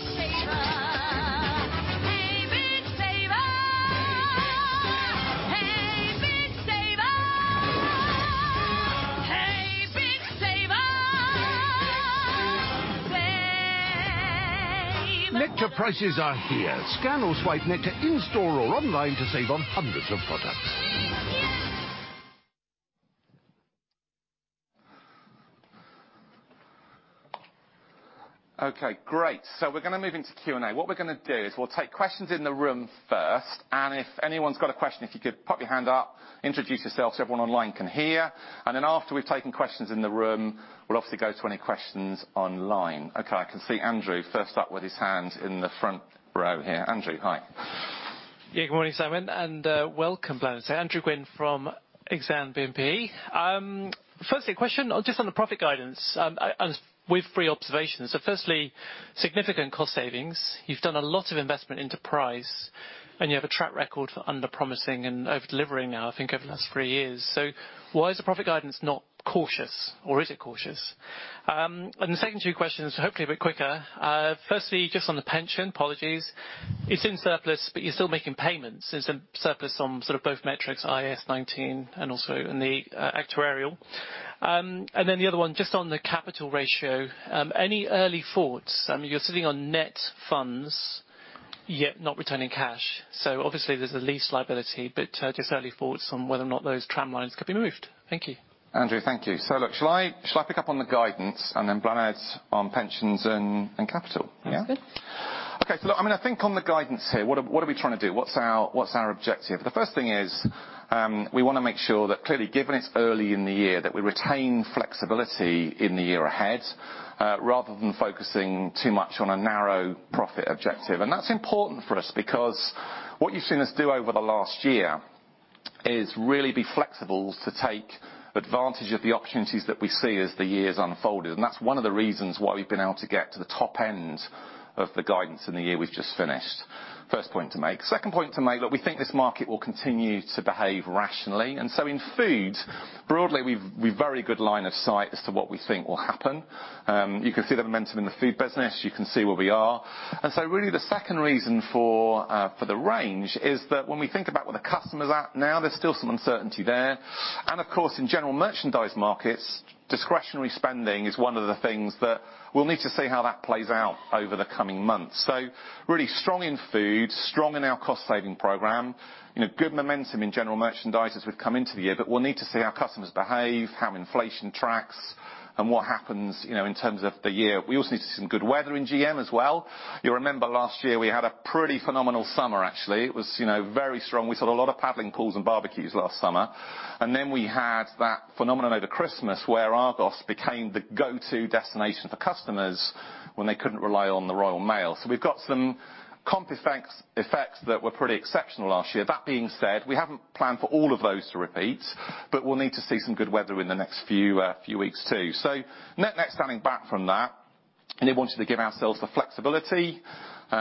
Speaker 3: saver. Hey, big saver. Hey, big saver. Hey, big saver. Hey, big saver. Hey, big saver. Nectar Prices are here. Scan or swipe Nectar in store or online to save on hundreds of products. Hey, big saver.
Speaker 1: Great. We're gonna move into Q&A. What we're gonna do is we'll take questions in the room first. If anyone's got a question, if you could pop your hand up, introduce yourself so everyone online can hear. Then after we've taken questions in the room, we'll obviously go to any questions online. I can see Andrew first up with his hand in the front row here. Andrew, hi.
Speaker 4: Good morning, Simon, and welcome, Blanchard. It's Andrew Gwynn from Exane BNP. Firstly, a question just on the profit guidance, and with three observations. Firstly, significant cost savings. You've done a lot of investment into price, and you have a track record for underpromising and overdelivering now, I think, over the last three years. Why is the profit guidance not cautious, or is it cautious? The second two questions, hopefully a bit quicker. Firstly, just on the pension, apologies, it's in surplus, but you're still making payments. Is there surplus on sort of both metrics, IAS 19 and also in the actuarial? Then the other one, just on the capital ratio, any early thoughts? I mean, you're sitting on net funds yet not returning cash, so obviously there's a lease liability, but, just early thoughts on whether or not those tramlines could be moved. Thank you.
Speaker 1: Andrew, thank you. Shall I pick up on the guidance and then Bláthnaid on pensions and capital? Yeah?
Speaker 4: Sounds good.
Speaker 1: Okay. Look, I mean, I think on the guidance here, what are we trying to do? What's our objective? The first thing is, we wanna make sure that clearly, given it's early in the year, that we retain flexibility in the year ahead, rather than focusing too much on a narrow profit objective. That's important for us because what you've seen us do over the last year is really be flexible to take advantage of the opportunities that we see as the years unfolded. That's one of the reasons why we've been able to get to the top end of the guidance in the year we've just finished. First point to make. Second point to make, look, we think this market will continue to behave rationally. In food, broadly, we've very good line of sight as to what we think will happen. You can see the momentum in the food business. You can see where we are. Really the second reason for the range is that when we think about where the customer's at now, there's still some uncertainty there. Of course, in general merchandise markets, discretionary spending is one of the things that we'll need to see how that plays out over the coming months. Really strong in food, strong in our cost-saving program, you know, good momentum in general merchandise as we've come into the year. We'll need to see how customers behave, how inflation tracks, and what happens, you know, in terms of the year. We also need to see some good weather in GM as well. You'll remember last year we had a pretty phenomenal summer, actually. It was, you know, very strong. We sold a lot of paddling pools and barbecues last summer. We had that phenomenon over Christmas where Argos became the go-to destination for customers when they couldn't rely on the Royal Mail. We've got some comp effects that were pretty exceptional last year. That being said, we haven't planned for all of those to repeat, but we'll need to see some good weather in the next few weeks, too. Net-net, standing back from that, really wanted to give ourselves the flexibility. You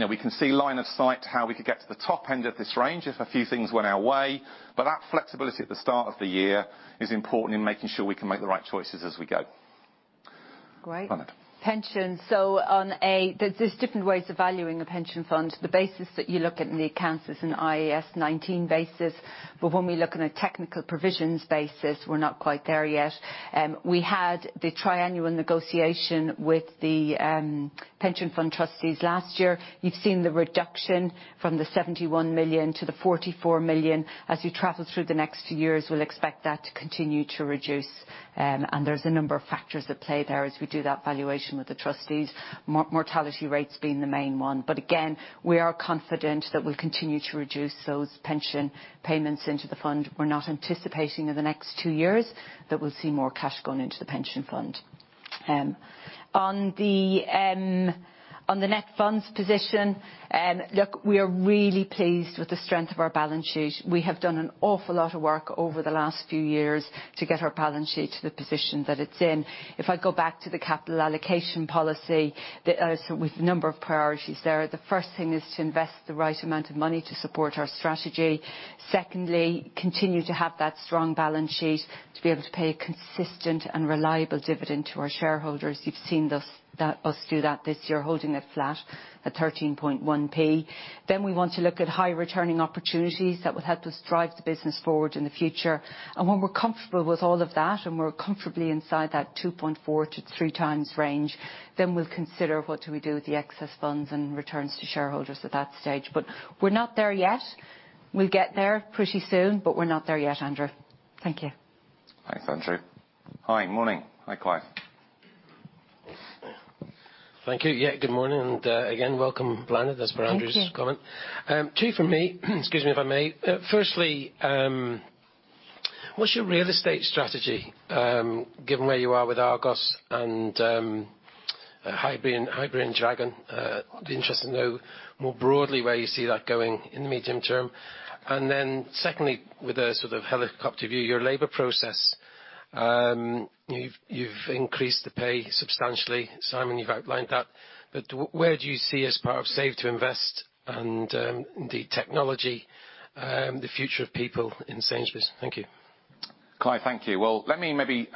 Speaker 1: know, we can see line of sight to how we could get to the top end of this range if a few things went our way. That flexibility at the start of the year is important in making sure we can make the right choices as we go.
Speaker 2: Great.
Speaker 1: Bláthnaid.
Speaker 2: Pensions. There's different ways of valuing a pension fund. The basis that you look at in the accounts is an IAS 19 basis, but when we look on a technical provisions basis, we're not quite there yet. We had the triennial negotiation with the pension fund trustees last year. You've seen the reduction from the 71 million to the 44 million. As you travel through the next two years, we'll expect that to continue to reduce. There's a number of factors at play there as we do that valuation with the trustees, mortality rates being the main one. Again, we are confident that we'll continue to reduce those pension payments into the fund. We're not anticipating in the next two years that we'll see more cash going into the pension fund. On the net funds position, look, we are really pleased with the strength of our balance sheet. We have done an awful lot of work over the last few years to get our balance sheet to the position that it's in. If I go back to the capital allocation policy, with a number of priorities there, the first thing is to invest the right amount of money to support our strategy. Secondly, continue to have that strong balance sheet to be able to pay a consistent and reliable dividend to our shareholders. You've seen us do that this year, holding it flat at 13.1p. We want to look at high returning opportunities that will help us drive the business forward in the future. When we're comfortable with all of that, and we're comfortably inside that 2.4-3x range, then we'll consider what do we do with the excess funds and returns to shareholders at that stage. We're not there yet. We'll get there pretty soon, but we're not there yet, Andrew. Thank you.
Speaker 1: Thanks, Andrew. Hi. Morning. Hi, Clive.
Speaker 5: Thank you. Yeah, good morning, and again, welcome, Bláthnaid.
Speaker 1: Thank you. As for Andrew's comment. Two from me, excuse me, if I may. Firstly, what's your real estate strategy, given where you are with Argos and Highbury and Dragon? It'd be interesting to know more broadly where you see that going in the medium term. Secondly, with a sort of helicopter view, your labor process, you've increased the pay substantially. Simon, you've outlined that, but where do you see as part of Save to Invest and the technology, the future of people in Sainsbury's? Thank you. Clive, thank you. Well, let me maybe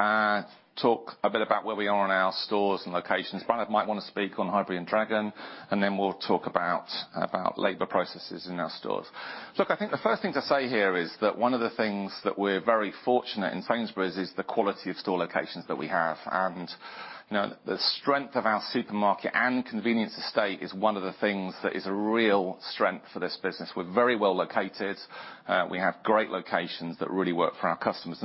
Speaker 1: talk a bit about where we are in our stores and locations. Bláthnaid might want to speak on Highbury and Dragon, and then we'll talk about labor processes in our stores. Look, I think the first thing to say here is that one of the things that we're very fortunate in Sainsbury's is the quality of store locations that we have. You know, the strength of our supermarket and convenience estate is one of the things that is a real strength for this business. We're very well located. We have great locations that really work for our customers.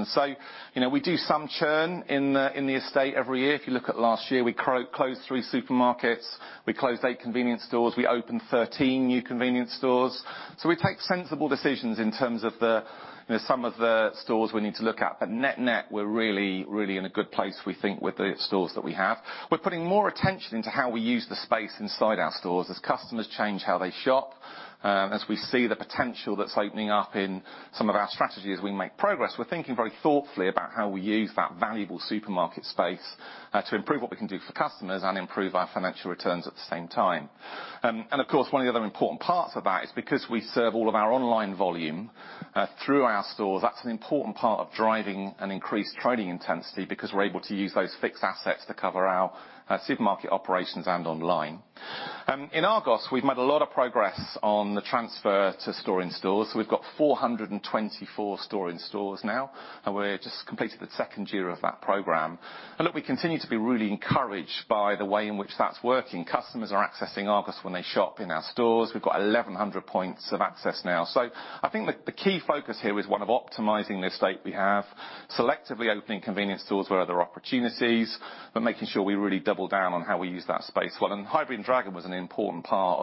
Speaker 1: You know, we do some churn in the estate every year. If you look at last year, we closed three supermarkets. We closed eight convenience stores. We opened 13 new convenience stores. We take sensible decisions in terms of the, you know, some of the stores we need to look at. Net-net, we're really in a good place, we think, with the stores that we have. We're putting more attention to how we use the space inside our stores as customers change how they shop. As we see the potential that's opening up in some of our strategy as we make progress, we're thinking very thoughtfully about how we use that valuable supermarket space to improve what we can do for customers and improve our financial returns at the same time. Of course, one of the other important parts of that is because we serve all of our online volume through our stores, that's an important part of driving an increased trading intensity because we're able to use those fixed assets to cover our supermarket operations and online. In Argos, we've made a lot of progress on the transfer to store-in-stores. We've got 424 store-in-stores now, and we're just completing the second year of that program. Look, we continue to be really encouraged by the way in which that's working. Customers are accessing Argos when they shop in our stores. We've got 1,100 points of access now. I think the key focus here is one of optimizing the estate we have, selectively opening convenience stores where there are opportunities, but making sure we really double down on how we use that space well. Highbury and Dragon was an important part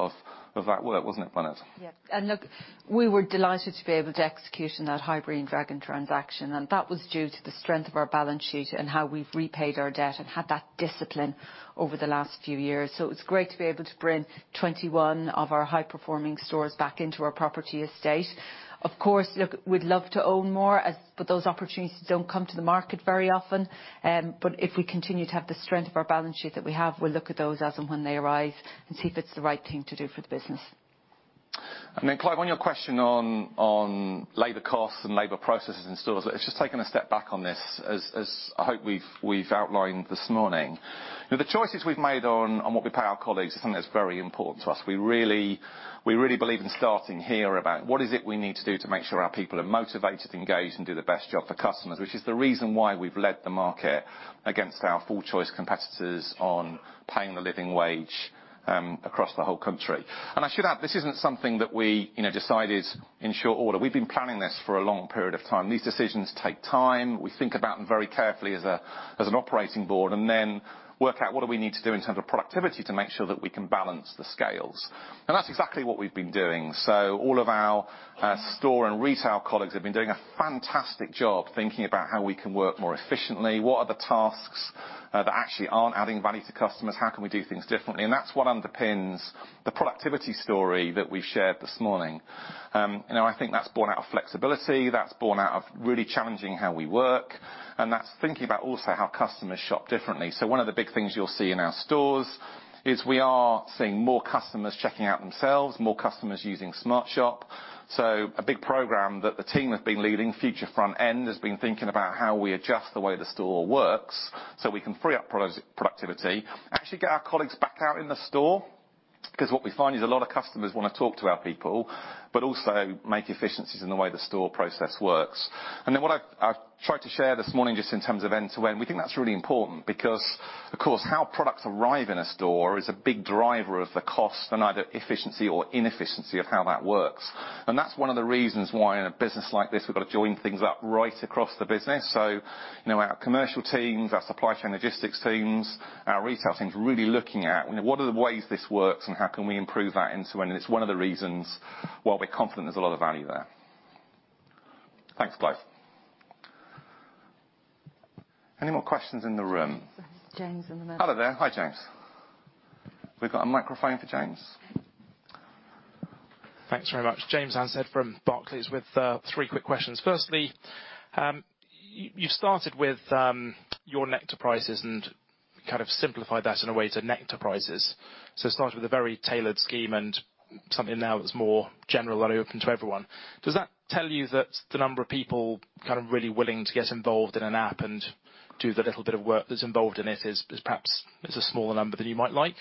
Speaker 1: of that work, wasn't it, Bláthnaid?
Speaker 2: Yeah. Look, we were delighted to be able to execute on that Highbury and Dragon transaction. That was due to the strength of our balance sheet and how we've repaid our debt and had that discipline over the last few years. It's great to be able to bring 21 of our high-performing stores back into our property estate. Of course, look, we'd love to own more as. Those opportunities don't come to the market very often. If we continue to have the strength of our balance sheet that we have, we'll look at those as and when they arise and see if it's the right thing to do for the business.
Speaker 1: Clive, on your question on labor costs and labor processes in stores, let's just taking a step back on this as I hope we've outlined this morning. You know, the choices we've made on what we pay our colleagues is something that's very important to us. We really believe in starting here about what is it we need to do to make sure our people are motivated, engaged, and do the best job for customers, which is the reason why we've led the market against our full choice competitors on paying the living wage across the whole country. I should add, this isn't something that we, you know, decided in short order. We've been planning this for a long period of time. These decisions take time. We think about them very carefully as an operating board and then work out what do we need to do in terms of productivity to make sure that we can balance the scales. That's exactly what we've been doing. All of our store and retail colleagues have been doing a fantastic job thinking about how we can work more efficiently, what are the tasks that actually aren't adding value to customers, how can we do things differently? That's what underpins the productivity story that we've shared this morning. you know, I think that's borne out of flexibility, that's borne out of really challenging how we work, and that's thinking about also how customers shop differently. One of the big things you'll see in our stores is we are seeing more customers checking out themselves, more customers using SmartShop. A big program that the team have been leading, Future Frontline, has been thinking about how we adjust the way the store works so we can free up productivity, actually get our colleagues back out in the store, 'cause what we find is a lot of customers wanna talk to our people, but also make efficiencies in the way the store process works. What I've tried to share this morning, just in terms of end-to-end, we think that's really important because, of course, how products arrive in a store is a big driver of the cost and either efficiency or inefficiency of how that works. That's one of the reasons why in a business like this, we've got to join things up right across the business. You know, our commercial teams, our supply chain logistics teams, our retail teams are really looking at what are the ways this works and how can we improve that end-to-end? It's one of the reasons why we're confident there's a lot of value there. Thanks, guys. Any more questions in the room?
Speaker 2: James in the middle.
Speaker 1: Hello there. Hi, James. We've got a microphone for James.
Speaker 6: Thanks very much. James Anstead from Barclays with three quick questions. Firstly, you started with Your Nectar Prices and kind of simplified that in a way to Nectar Prices. It started with a very tailored scheme and something now that's more general and open to everyone. Does that tell you that the number of people kind of really willing to get involved in an app and do the little bit of work that's involved in it is perhaps it's a smaller number than you might like?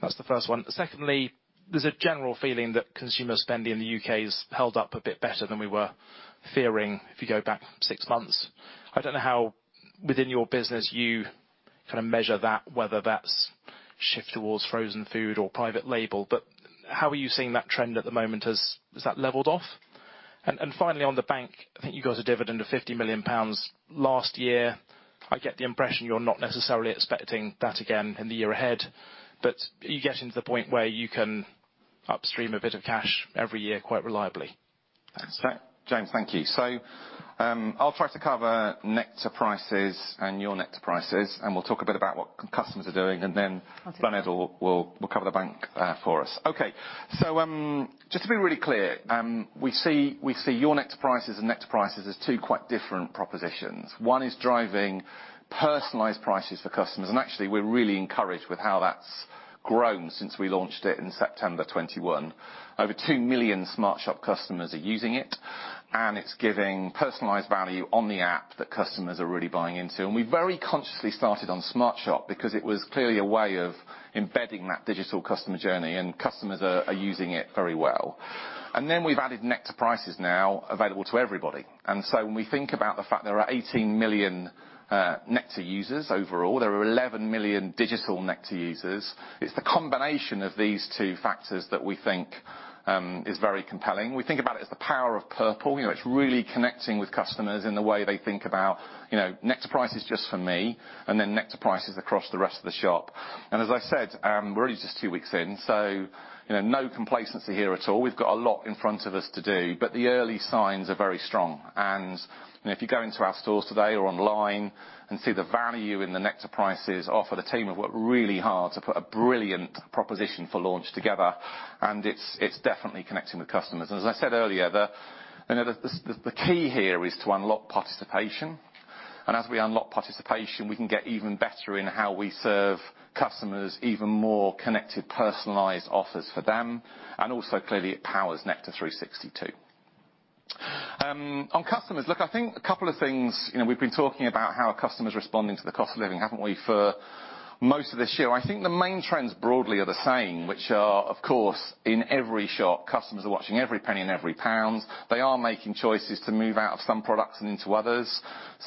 Speaker 6: That's the first one. Secondly, there's a general feeling that consumer spending in the U.K. has held up a bit better than we were fearing, if you go back six months. I don't know how within your business you kind of measure that, whether that's shift towards frozen food or private label, but how are you seeing that trend at the moment? Has that leveled off? Finally, on the bank, I think you got a dividend of 50 million pounds last year. I get the impression you're not necessarily expecting that again in the year ahead. Are you getting to the point where you can upstream a bit of cash every year quite reliably?
Speaker 1: James, thank you. I'll try to cover Nectar Prices and Your Nectar Prices, and we'll talk a bit about what customers are doing.
Speaker 2: I'll take that.
Speaker 1: Bláthnaid will cover the bank for us. Okay. Just to be really clear, we see Your Nectar Prices and Nectar Prices as two quite different propositions. One is driving personalized prices for customers, and actually, we're really encouraged with how that's grown since we launched it in September 2021. Over 2 million SmartShop customers are using it, and it's giving personalized value on the app that customers are really buying into. We very consciously started on SmartShop because it was clearly a way of embedding that digital customer journey, and customers are using it very well. Then we've added Nectar Prices now available to everybody. When we think about the fact there are 18 million Nectar users overall, there are 11 million digital Nectar users. It's the combination of these two factors that we think is very compelling. We think about it as the power of purple. You know, it's really connecting with customers in the way they think about, you know, Nectar Prices just for me, and then Nectar Prices across the rest of the shop. As I said, we're really just two weeks in, so, you know, no complacency here at all. We've got a lot in front of us to do, but the early signs are very strong. You know, if you go into our stores today or online and see the value in the Nectar Prices offer, the team have worked really hard to put a brilliant proposition for launch together and it's definitely connecting with customers. As I said earlier, the key here is to unlock participation. As we unlock participation, we can get even better in how we serve customers even more connected, personalized offers for them. Clearly, it powers Nectar360. On customers, look, I think a couple of things, you know, we've been talking about how our customers responding to the cost of living, haven't we, for most of this year. I think the main trends broadly are the same, which are, of course, in every shop, customers are watching every penny and every pound. They are making choices to move out of some products and into others.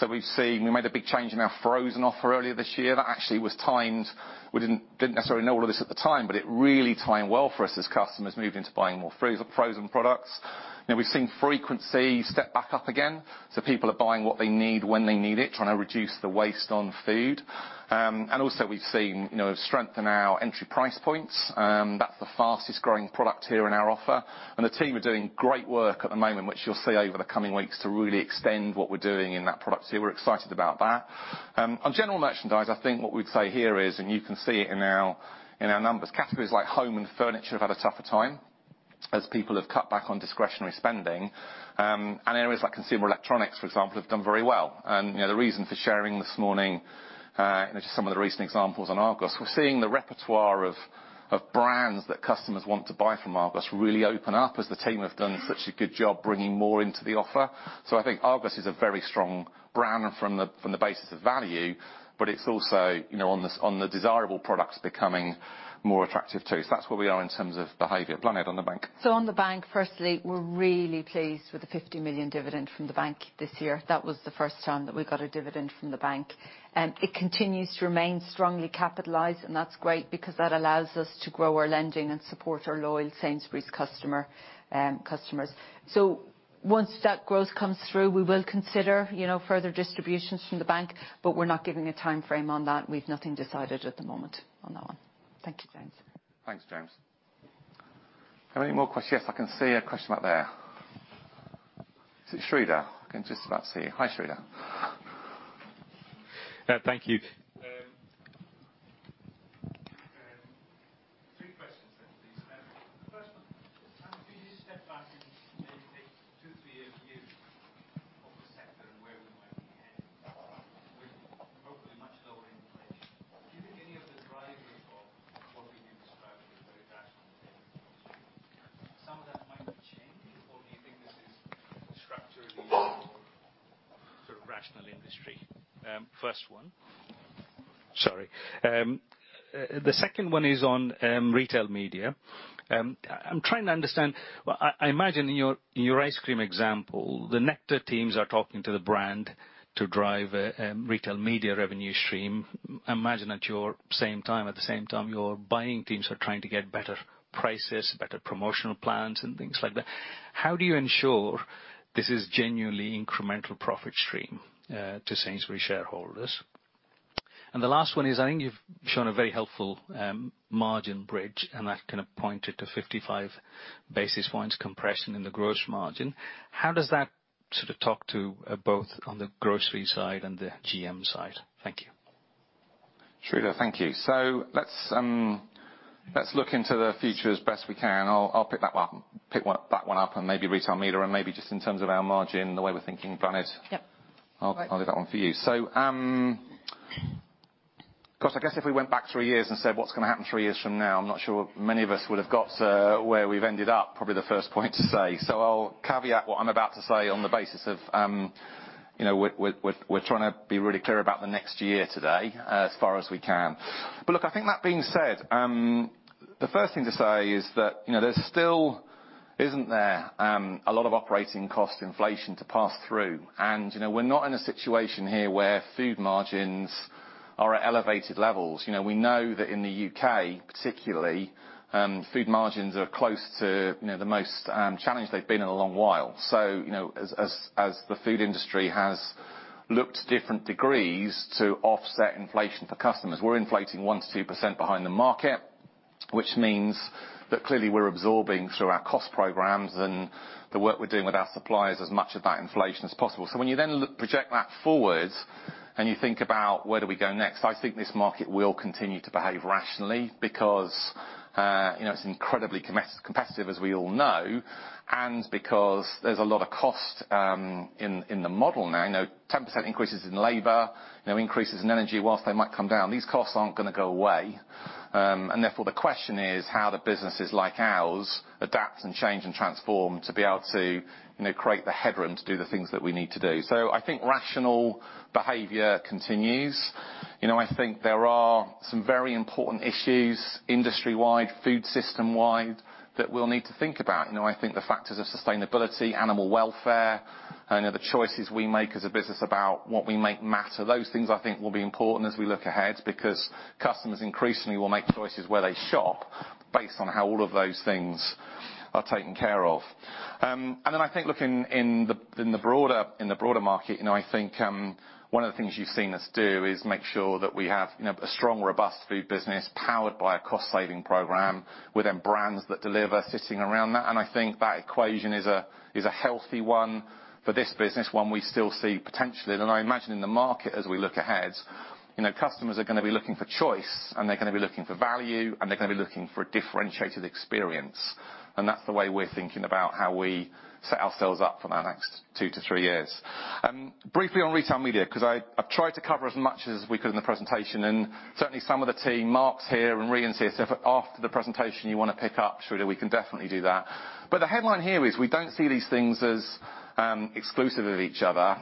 Speaker 1: We've seen, we made a big change in our frozen offer earlier this year. That actually was timed. We didn't necessarily know all of this at the time, but it really timed well for us as customers moved into buying more frozen products. We've seen frequency step back up again, so people are buying what they need when they need it, trying to reduce the waste on food. Also we've seen, you know, strength in our entry price points. That's the fastest growing product here in our offer. The team are doing great work at the moment, which you'll see over the coming weeks to really extend what we're doing in that product. We're excited about that. On general merchandise, I think what we'd say here is, and you can see it in our, in our numbers, categories like home and furniture have had a tougher time as people have cut back on discretionary spending. Areas like consumer electronics, for example, have done very well. you know, the reason for sharing this morning, just some of the recent examples on Argos, we're seeing the repertoire of brands that customers want to buy from Argos really open up as the team have done such a good job bringing more into the offer. I think Argos is a very strong brand from the, from the basis of value, but it's also, you know, on the, on the desirable products becoming more attractive too. That's where we are in terms of behavior. Blanid, on the Bank.
Speaker 2: On the bank, firstly, we're really pleased with the 50 million dividend from the bank this year. That was the first time that we got a dividend from the bank. It continues to remain strongly capitalized, and that's great because that allows us to grow our lending and support our loyal Sainsbury's customers. Once that growth comes through, we will consider, you know, further distributions from the bank, but we're not giving a timeframe on that. We've nothing decided at the moment on that one. Thank you, James.
Speaker 1: Thanks, James. Yes, I can see a question back there. Is it Sreedhar? I can just about see you. Hi, Sreedhar.
Speaker 7: Thank you. Three questions then, please. First one, can you just step back and maybe take two, three years view of the sector and where we might be heading? With hopefully much lower inflation, do you think any of the drivers of what we've been describing as very rational behavior, some of that might be changing? Do you think this is structurally a more sort of rational industry? First one. Sorry. The second one is on retail media. I'm trying to understand. Well, I imagine in your ice cream example, the Nectar teams are talking to the brand to drive a retail media revenue stream. Imagine at your same time, your buying teams are trying to get better prices, better promotional plans and things like that. How do you ensure this is genuinely incremental profit stream, to Sainsbury's shareholders? The last one is, I think you've shown a very helpful, margin bridge, and I've kind of pointed to 55 basis points compression in the gross margin. How does that sort of talk to, both on the grocery side and the GM side? Thank you.
Speaker 1: Sreedhar, thank you. let's look into the future as best we can. I'll pick that one up and maybe retail media and maybe just in terms of our margin, the way we're thinking, Bláthnaid.
Speaker 2: Yep.
Speaker 1: I'll leave that one for you. Gosh, I guess if we went back three years and said, what's gonna happen three years from now, I'm not sure many of us would have got to where we've ended up, probably the first point to say. I'll caveat what I'm about to say on the basis of, you know, we're trying to be really clear about the next year today as far as we can. Look, I think that being said, the 1st thing to say is that, you know, there still isn't there, a lot of operating cost inflation to pass through. You know, we're not in a situation here where food margins are at elevated levels. You know, we know that in the U.K., particularly, food margins are close to, you know, the most challenged they've been in a long while. You know, as the food industry has looked to different degrees to offset inflation for customers, we're inflating 1%-2% behind the market, which means that clearly we're absorbing through our cost programs and the work we're doing with our suppliers as much of that inflation as possible. When you then project that forward and you think about where do we go next, I think this market will continue to behave rationally because, you know, it's incredibly competitive, as we all know, and because there's a lot of cost in the model now. You know, 10% increases in labor, you know, increases in energy, whilst they might come down, these costs aren't gonna go away. Therefore the question is how do businesses like ours adapt and change and transform to be able to, you know, create the headroom to do the things that we need to do. I think rational behavior continues. You know, I think there are some very important issues industry-wide, food system-wide that we'll need to think about. You know, I think the factors of sustainability, animal welfare and the choices we make as a business about what we make matter, those things I think will be important as we look ahead because customers increasingly will make choices where they shop based on how all of those things are taken care of. Then I think looking in the broader, in the broader market, I think one of the things you've seen us do is make sure that we have a strong, robust food business powered by a cost saving program with then Brands that Deliver sitting around that. I think that equation is a healthy one for this business, one we still see potentially. I imagine in the market as we look ahead, customers are gonna be looking for choice and they're gonna be looking for value and they're gonna be looking for a differentiated experience and that's the way we're thinking about how we set ourselves up for that next two to three years. Briefly on retail media, 'cause I've tried to cover as much as we could in the presentation and certainly some of the team, Mark's here and Rhian's here, so if after the presentation you wanna pick up, Sreedhar, we can definitely do that. The headline here is we don't see these things as exclusive of each other.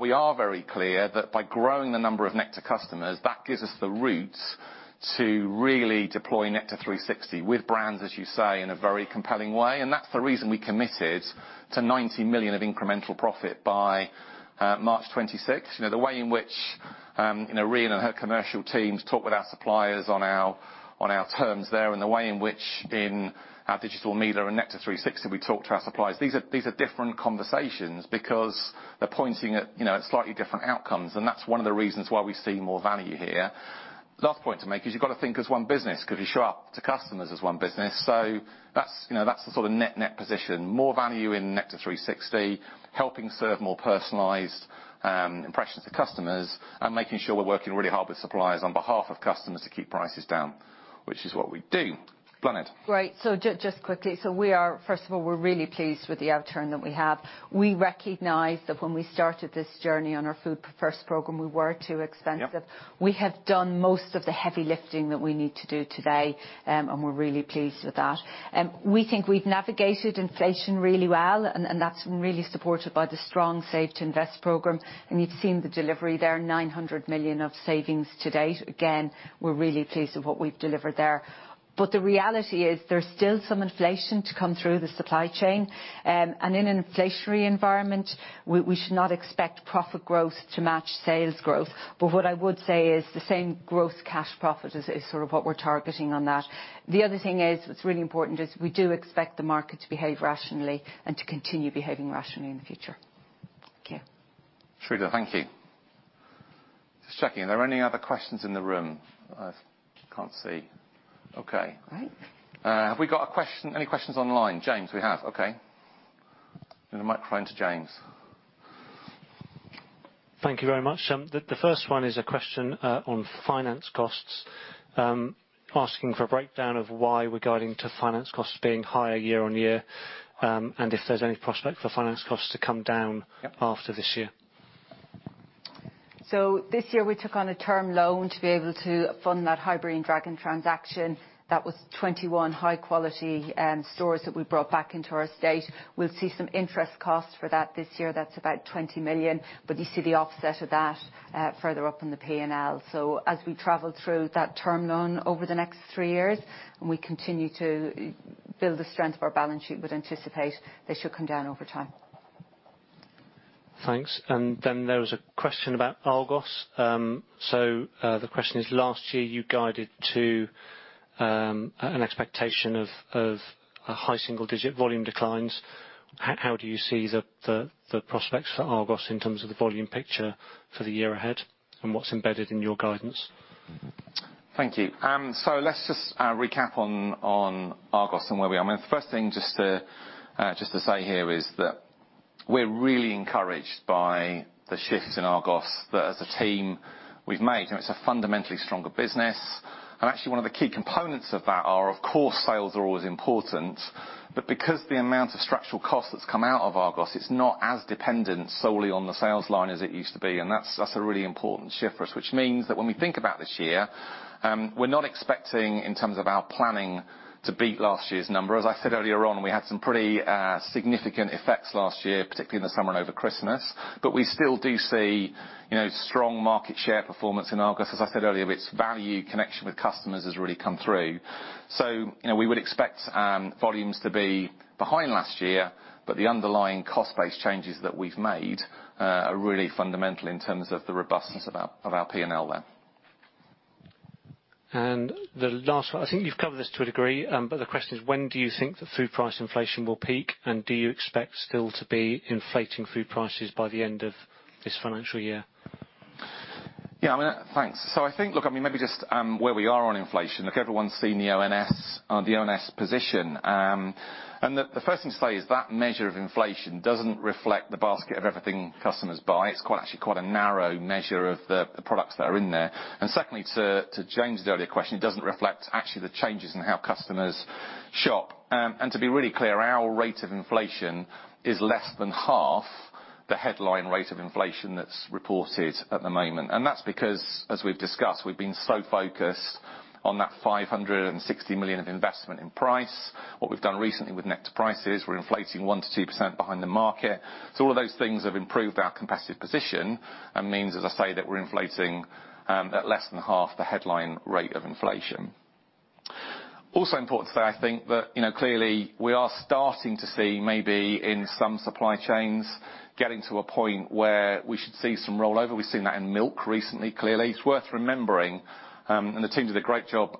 Speaker 1: We are very clear that by growing the number of Nectar customers, that gives us the route to really deploy Nectar360 with brands, as you say, in a very compelling way. That's the reason we committed to 90 million of incremental profit by March 2026. You know, the way in which, you know, Rhian and her commercial teams talk with our suppliers on our terms there and the way in which in our digital media and Nectar360 we talk to our suppliers, these are different conversations because they're pointing at, you know, at slightly different outcomes and that's one of the reasons why we see more value here. The last point to make is you've got to think as one business 'cause you show up to customers as one business. That's, you know, that's the sort of net-net position. More value in Nectar360, helping serve more personalized impressions to customers and making sure we're working really hard with suppliers on behalf of customers to keep prices down, which is what we do. Blanit.
Speaker 2: Just quickly. We are, first of all, we're really pleased with the outturn that we have. We recognize that when we started this journey on our Food First program, we were too expensive.
Speaker 1: Yep.
Speaker 2: We have done most of the heavy lifting that we need to do today. We're really pleased with that. We think we've navigated inflation really well and that's been really supported by the strong Save to Invest program. You've seen the delivery there, 900 million of savings to date. Again, we're really pleased with what we've delivered there. The reality is there's still some inflation to come through the supply chain. In an inflationary environment, we should not expect profit growth to match sales growth. What I would say is the same growth cash profit is sort of what we're targeting on that. The other thing is what's really important is we do expect the market to behave rationally and to continue behaving rationally in the future. Thank you.
Speaker 1: Sreedhar, thank you. Just checking. Are there any other questions in the room? I can't see. Okay.
Speaker 2: All right.
Speaker 1: Have we got a question, any questions online? James, we have, okay. Give the microphone to James.
Speaker 5: Thank you very much. The first one is a question on finance costs, asking for a breakdown of why we're guiding to finance costs being higher year-on-year, and if there's any prospect for finance costs to come down...
Speaker 1: Yep.
Speaker 5: After this year.
Speaker 2: This year we took on a term loan to be able to fund that Highbury and Dragon transaction. That was 21 high quality stores that we brought back into our estate. We'll see some interest costs for that this year. That's about 20 million. You see the offset of that further up in the P&L. As we travel through that term loan over the next three years, and we continue to build the strength of our balance sheet, would anticipate they should come down over time.
Speaker 5: Thanks. There was a question about Argos. The question is, last year you guided to an expectation of a high single digit volume declines. How do you see the prospects for Argos in terms of the volume picture for the year ahead and what's embedded in your guidance?
Speaker 1: Thank you. Let's just recap on Argos and where we are. I mean, the first thing just to say here is that we're really encouraged by the shifts in Argos that as a team we've made, and it's a fundamentally stronger business. Actually one of the key components of that are of course, sales are always important, but because the amount of structural cost that's come out of Argos, it's not as dependent solely on the sales line as it used to be. That's, that's a really important shift for us. Means that when we think about this year, we're not expecting in terms of our planning to beat last year's number. I said earlier on, we had some pretty significant effects last year, particularly in the summer and over Christmas. We still do see, you know, strong market share performance in Argos. As I said earlier, its value connection with customers has really come through. You know, we would expect volumes to be behind last year, but the underlying cost base changes that we've made are really fundamental in terms of the robustness of our P&L there.
Speaker 5: The last one, I think you've covered this to a degree. The question is, when do you think the food price inflation will peak, and do you expect still to be inflating food prices by the end of this financial year?
Speaker 1: Yeah, I mean. Thanks. I think, look, I mean, maybe just where we are on inflation. Look, everyone's seen the ONS, the ONS position. The first thing to say is that measure of inflation doesn't reflect the basket of everything customers buy. It's actually quite a narrow measure of the products that are in there. Secondly, to James' earlier question, it doesn't reflect actually the changes in how customers shop. To be really clear, our rate of inflation is less than half the headline rate of inflation that's reported at the moment. That's because, as we've discussed, we've been so focused on that 560 million of investment in price, what we've done recently with Nectar Prices, we're inflating 1%-2% behind the market. All of those things have improved our competitive position and means, as I say, that we're inflating at less than half the headline rate of inflation. Also important to say, I think that, you know, clearly we are starting to see maybe in some supply chains getting to a point where we should see some rollover. We've seen that in milk recently, clearly. It's worth remembering, and the team did a great job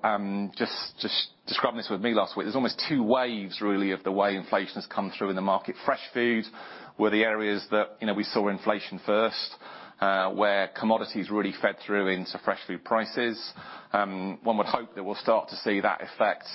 Speaker 1: just describing this with me last week. There's almost two waves really of the way inflation has come through in the market. Fresh food were the areas that, you know, we saw inflation first, where commodities really fed through into fresh food prices. One would hope that we'll start to see that effect,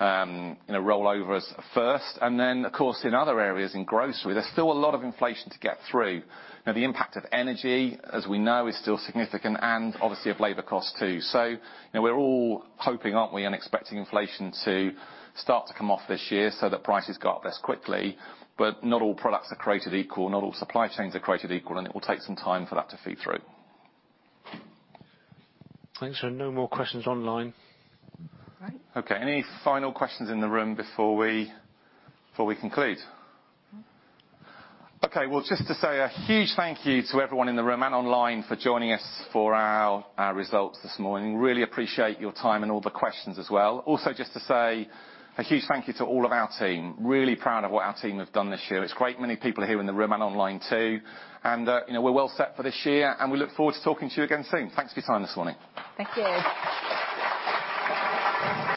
Speaker 1: you know, roll over as a first. Of course, in other areas, in grocery, there's still a lot of inflation to get through. The impact of energy, as we know, is still significant and obviously of labor costs too. You know, we're all hoping, aren't we, and expecting inflation to start to come off this year so that prices go up less quickly. Not all products are created equal, not all supply chains are created equal, and it will take some time for that to feed through.
Speaker 5: Thanks. No more questions online.
Speaker 2: Great.
Speaker 1: Okay. Any final questions in the room before we conclude?
Speaker 2: No.
Speaker 1: Okay. Well, just to say a huge thank you to everyone in the room and online for joining us for our results this morning. Really appreciate your time and all the questions as well. Also, just to say a huge thank you to all of our team. Really proud of what our team have done this year. It's great many people are here in the room and online too. you know, we're well set for this year and we look forward to talking to you again soon. Thanks for your time this morning.
Speaker 2: Thank you.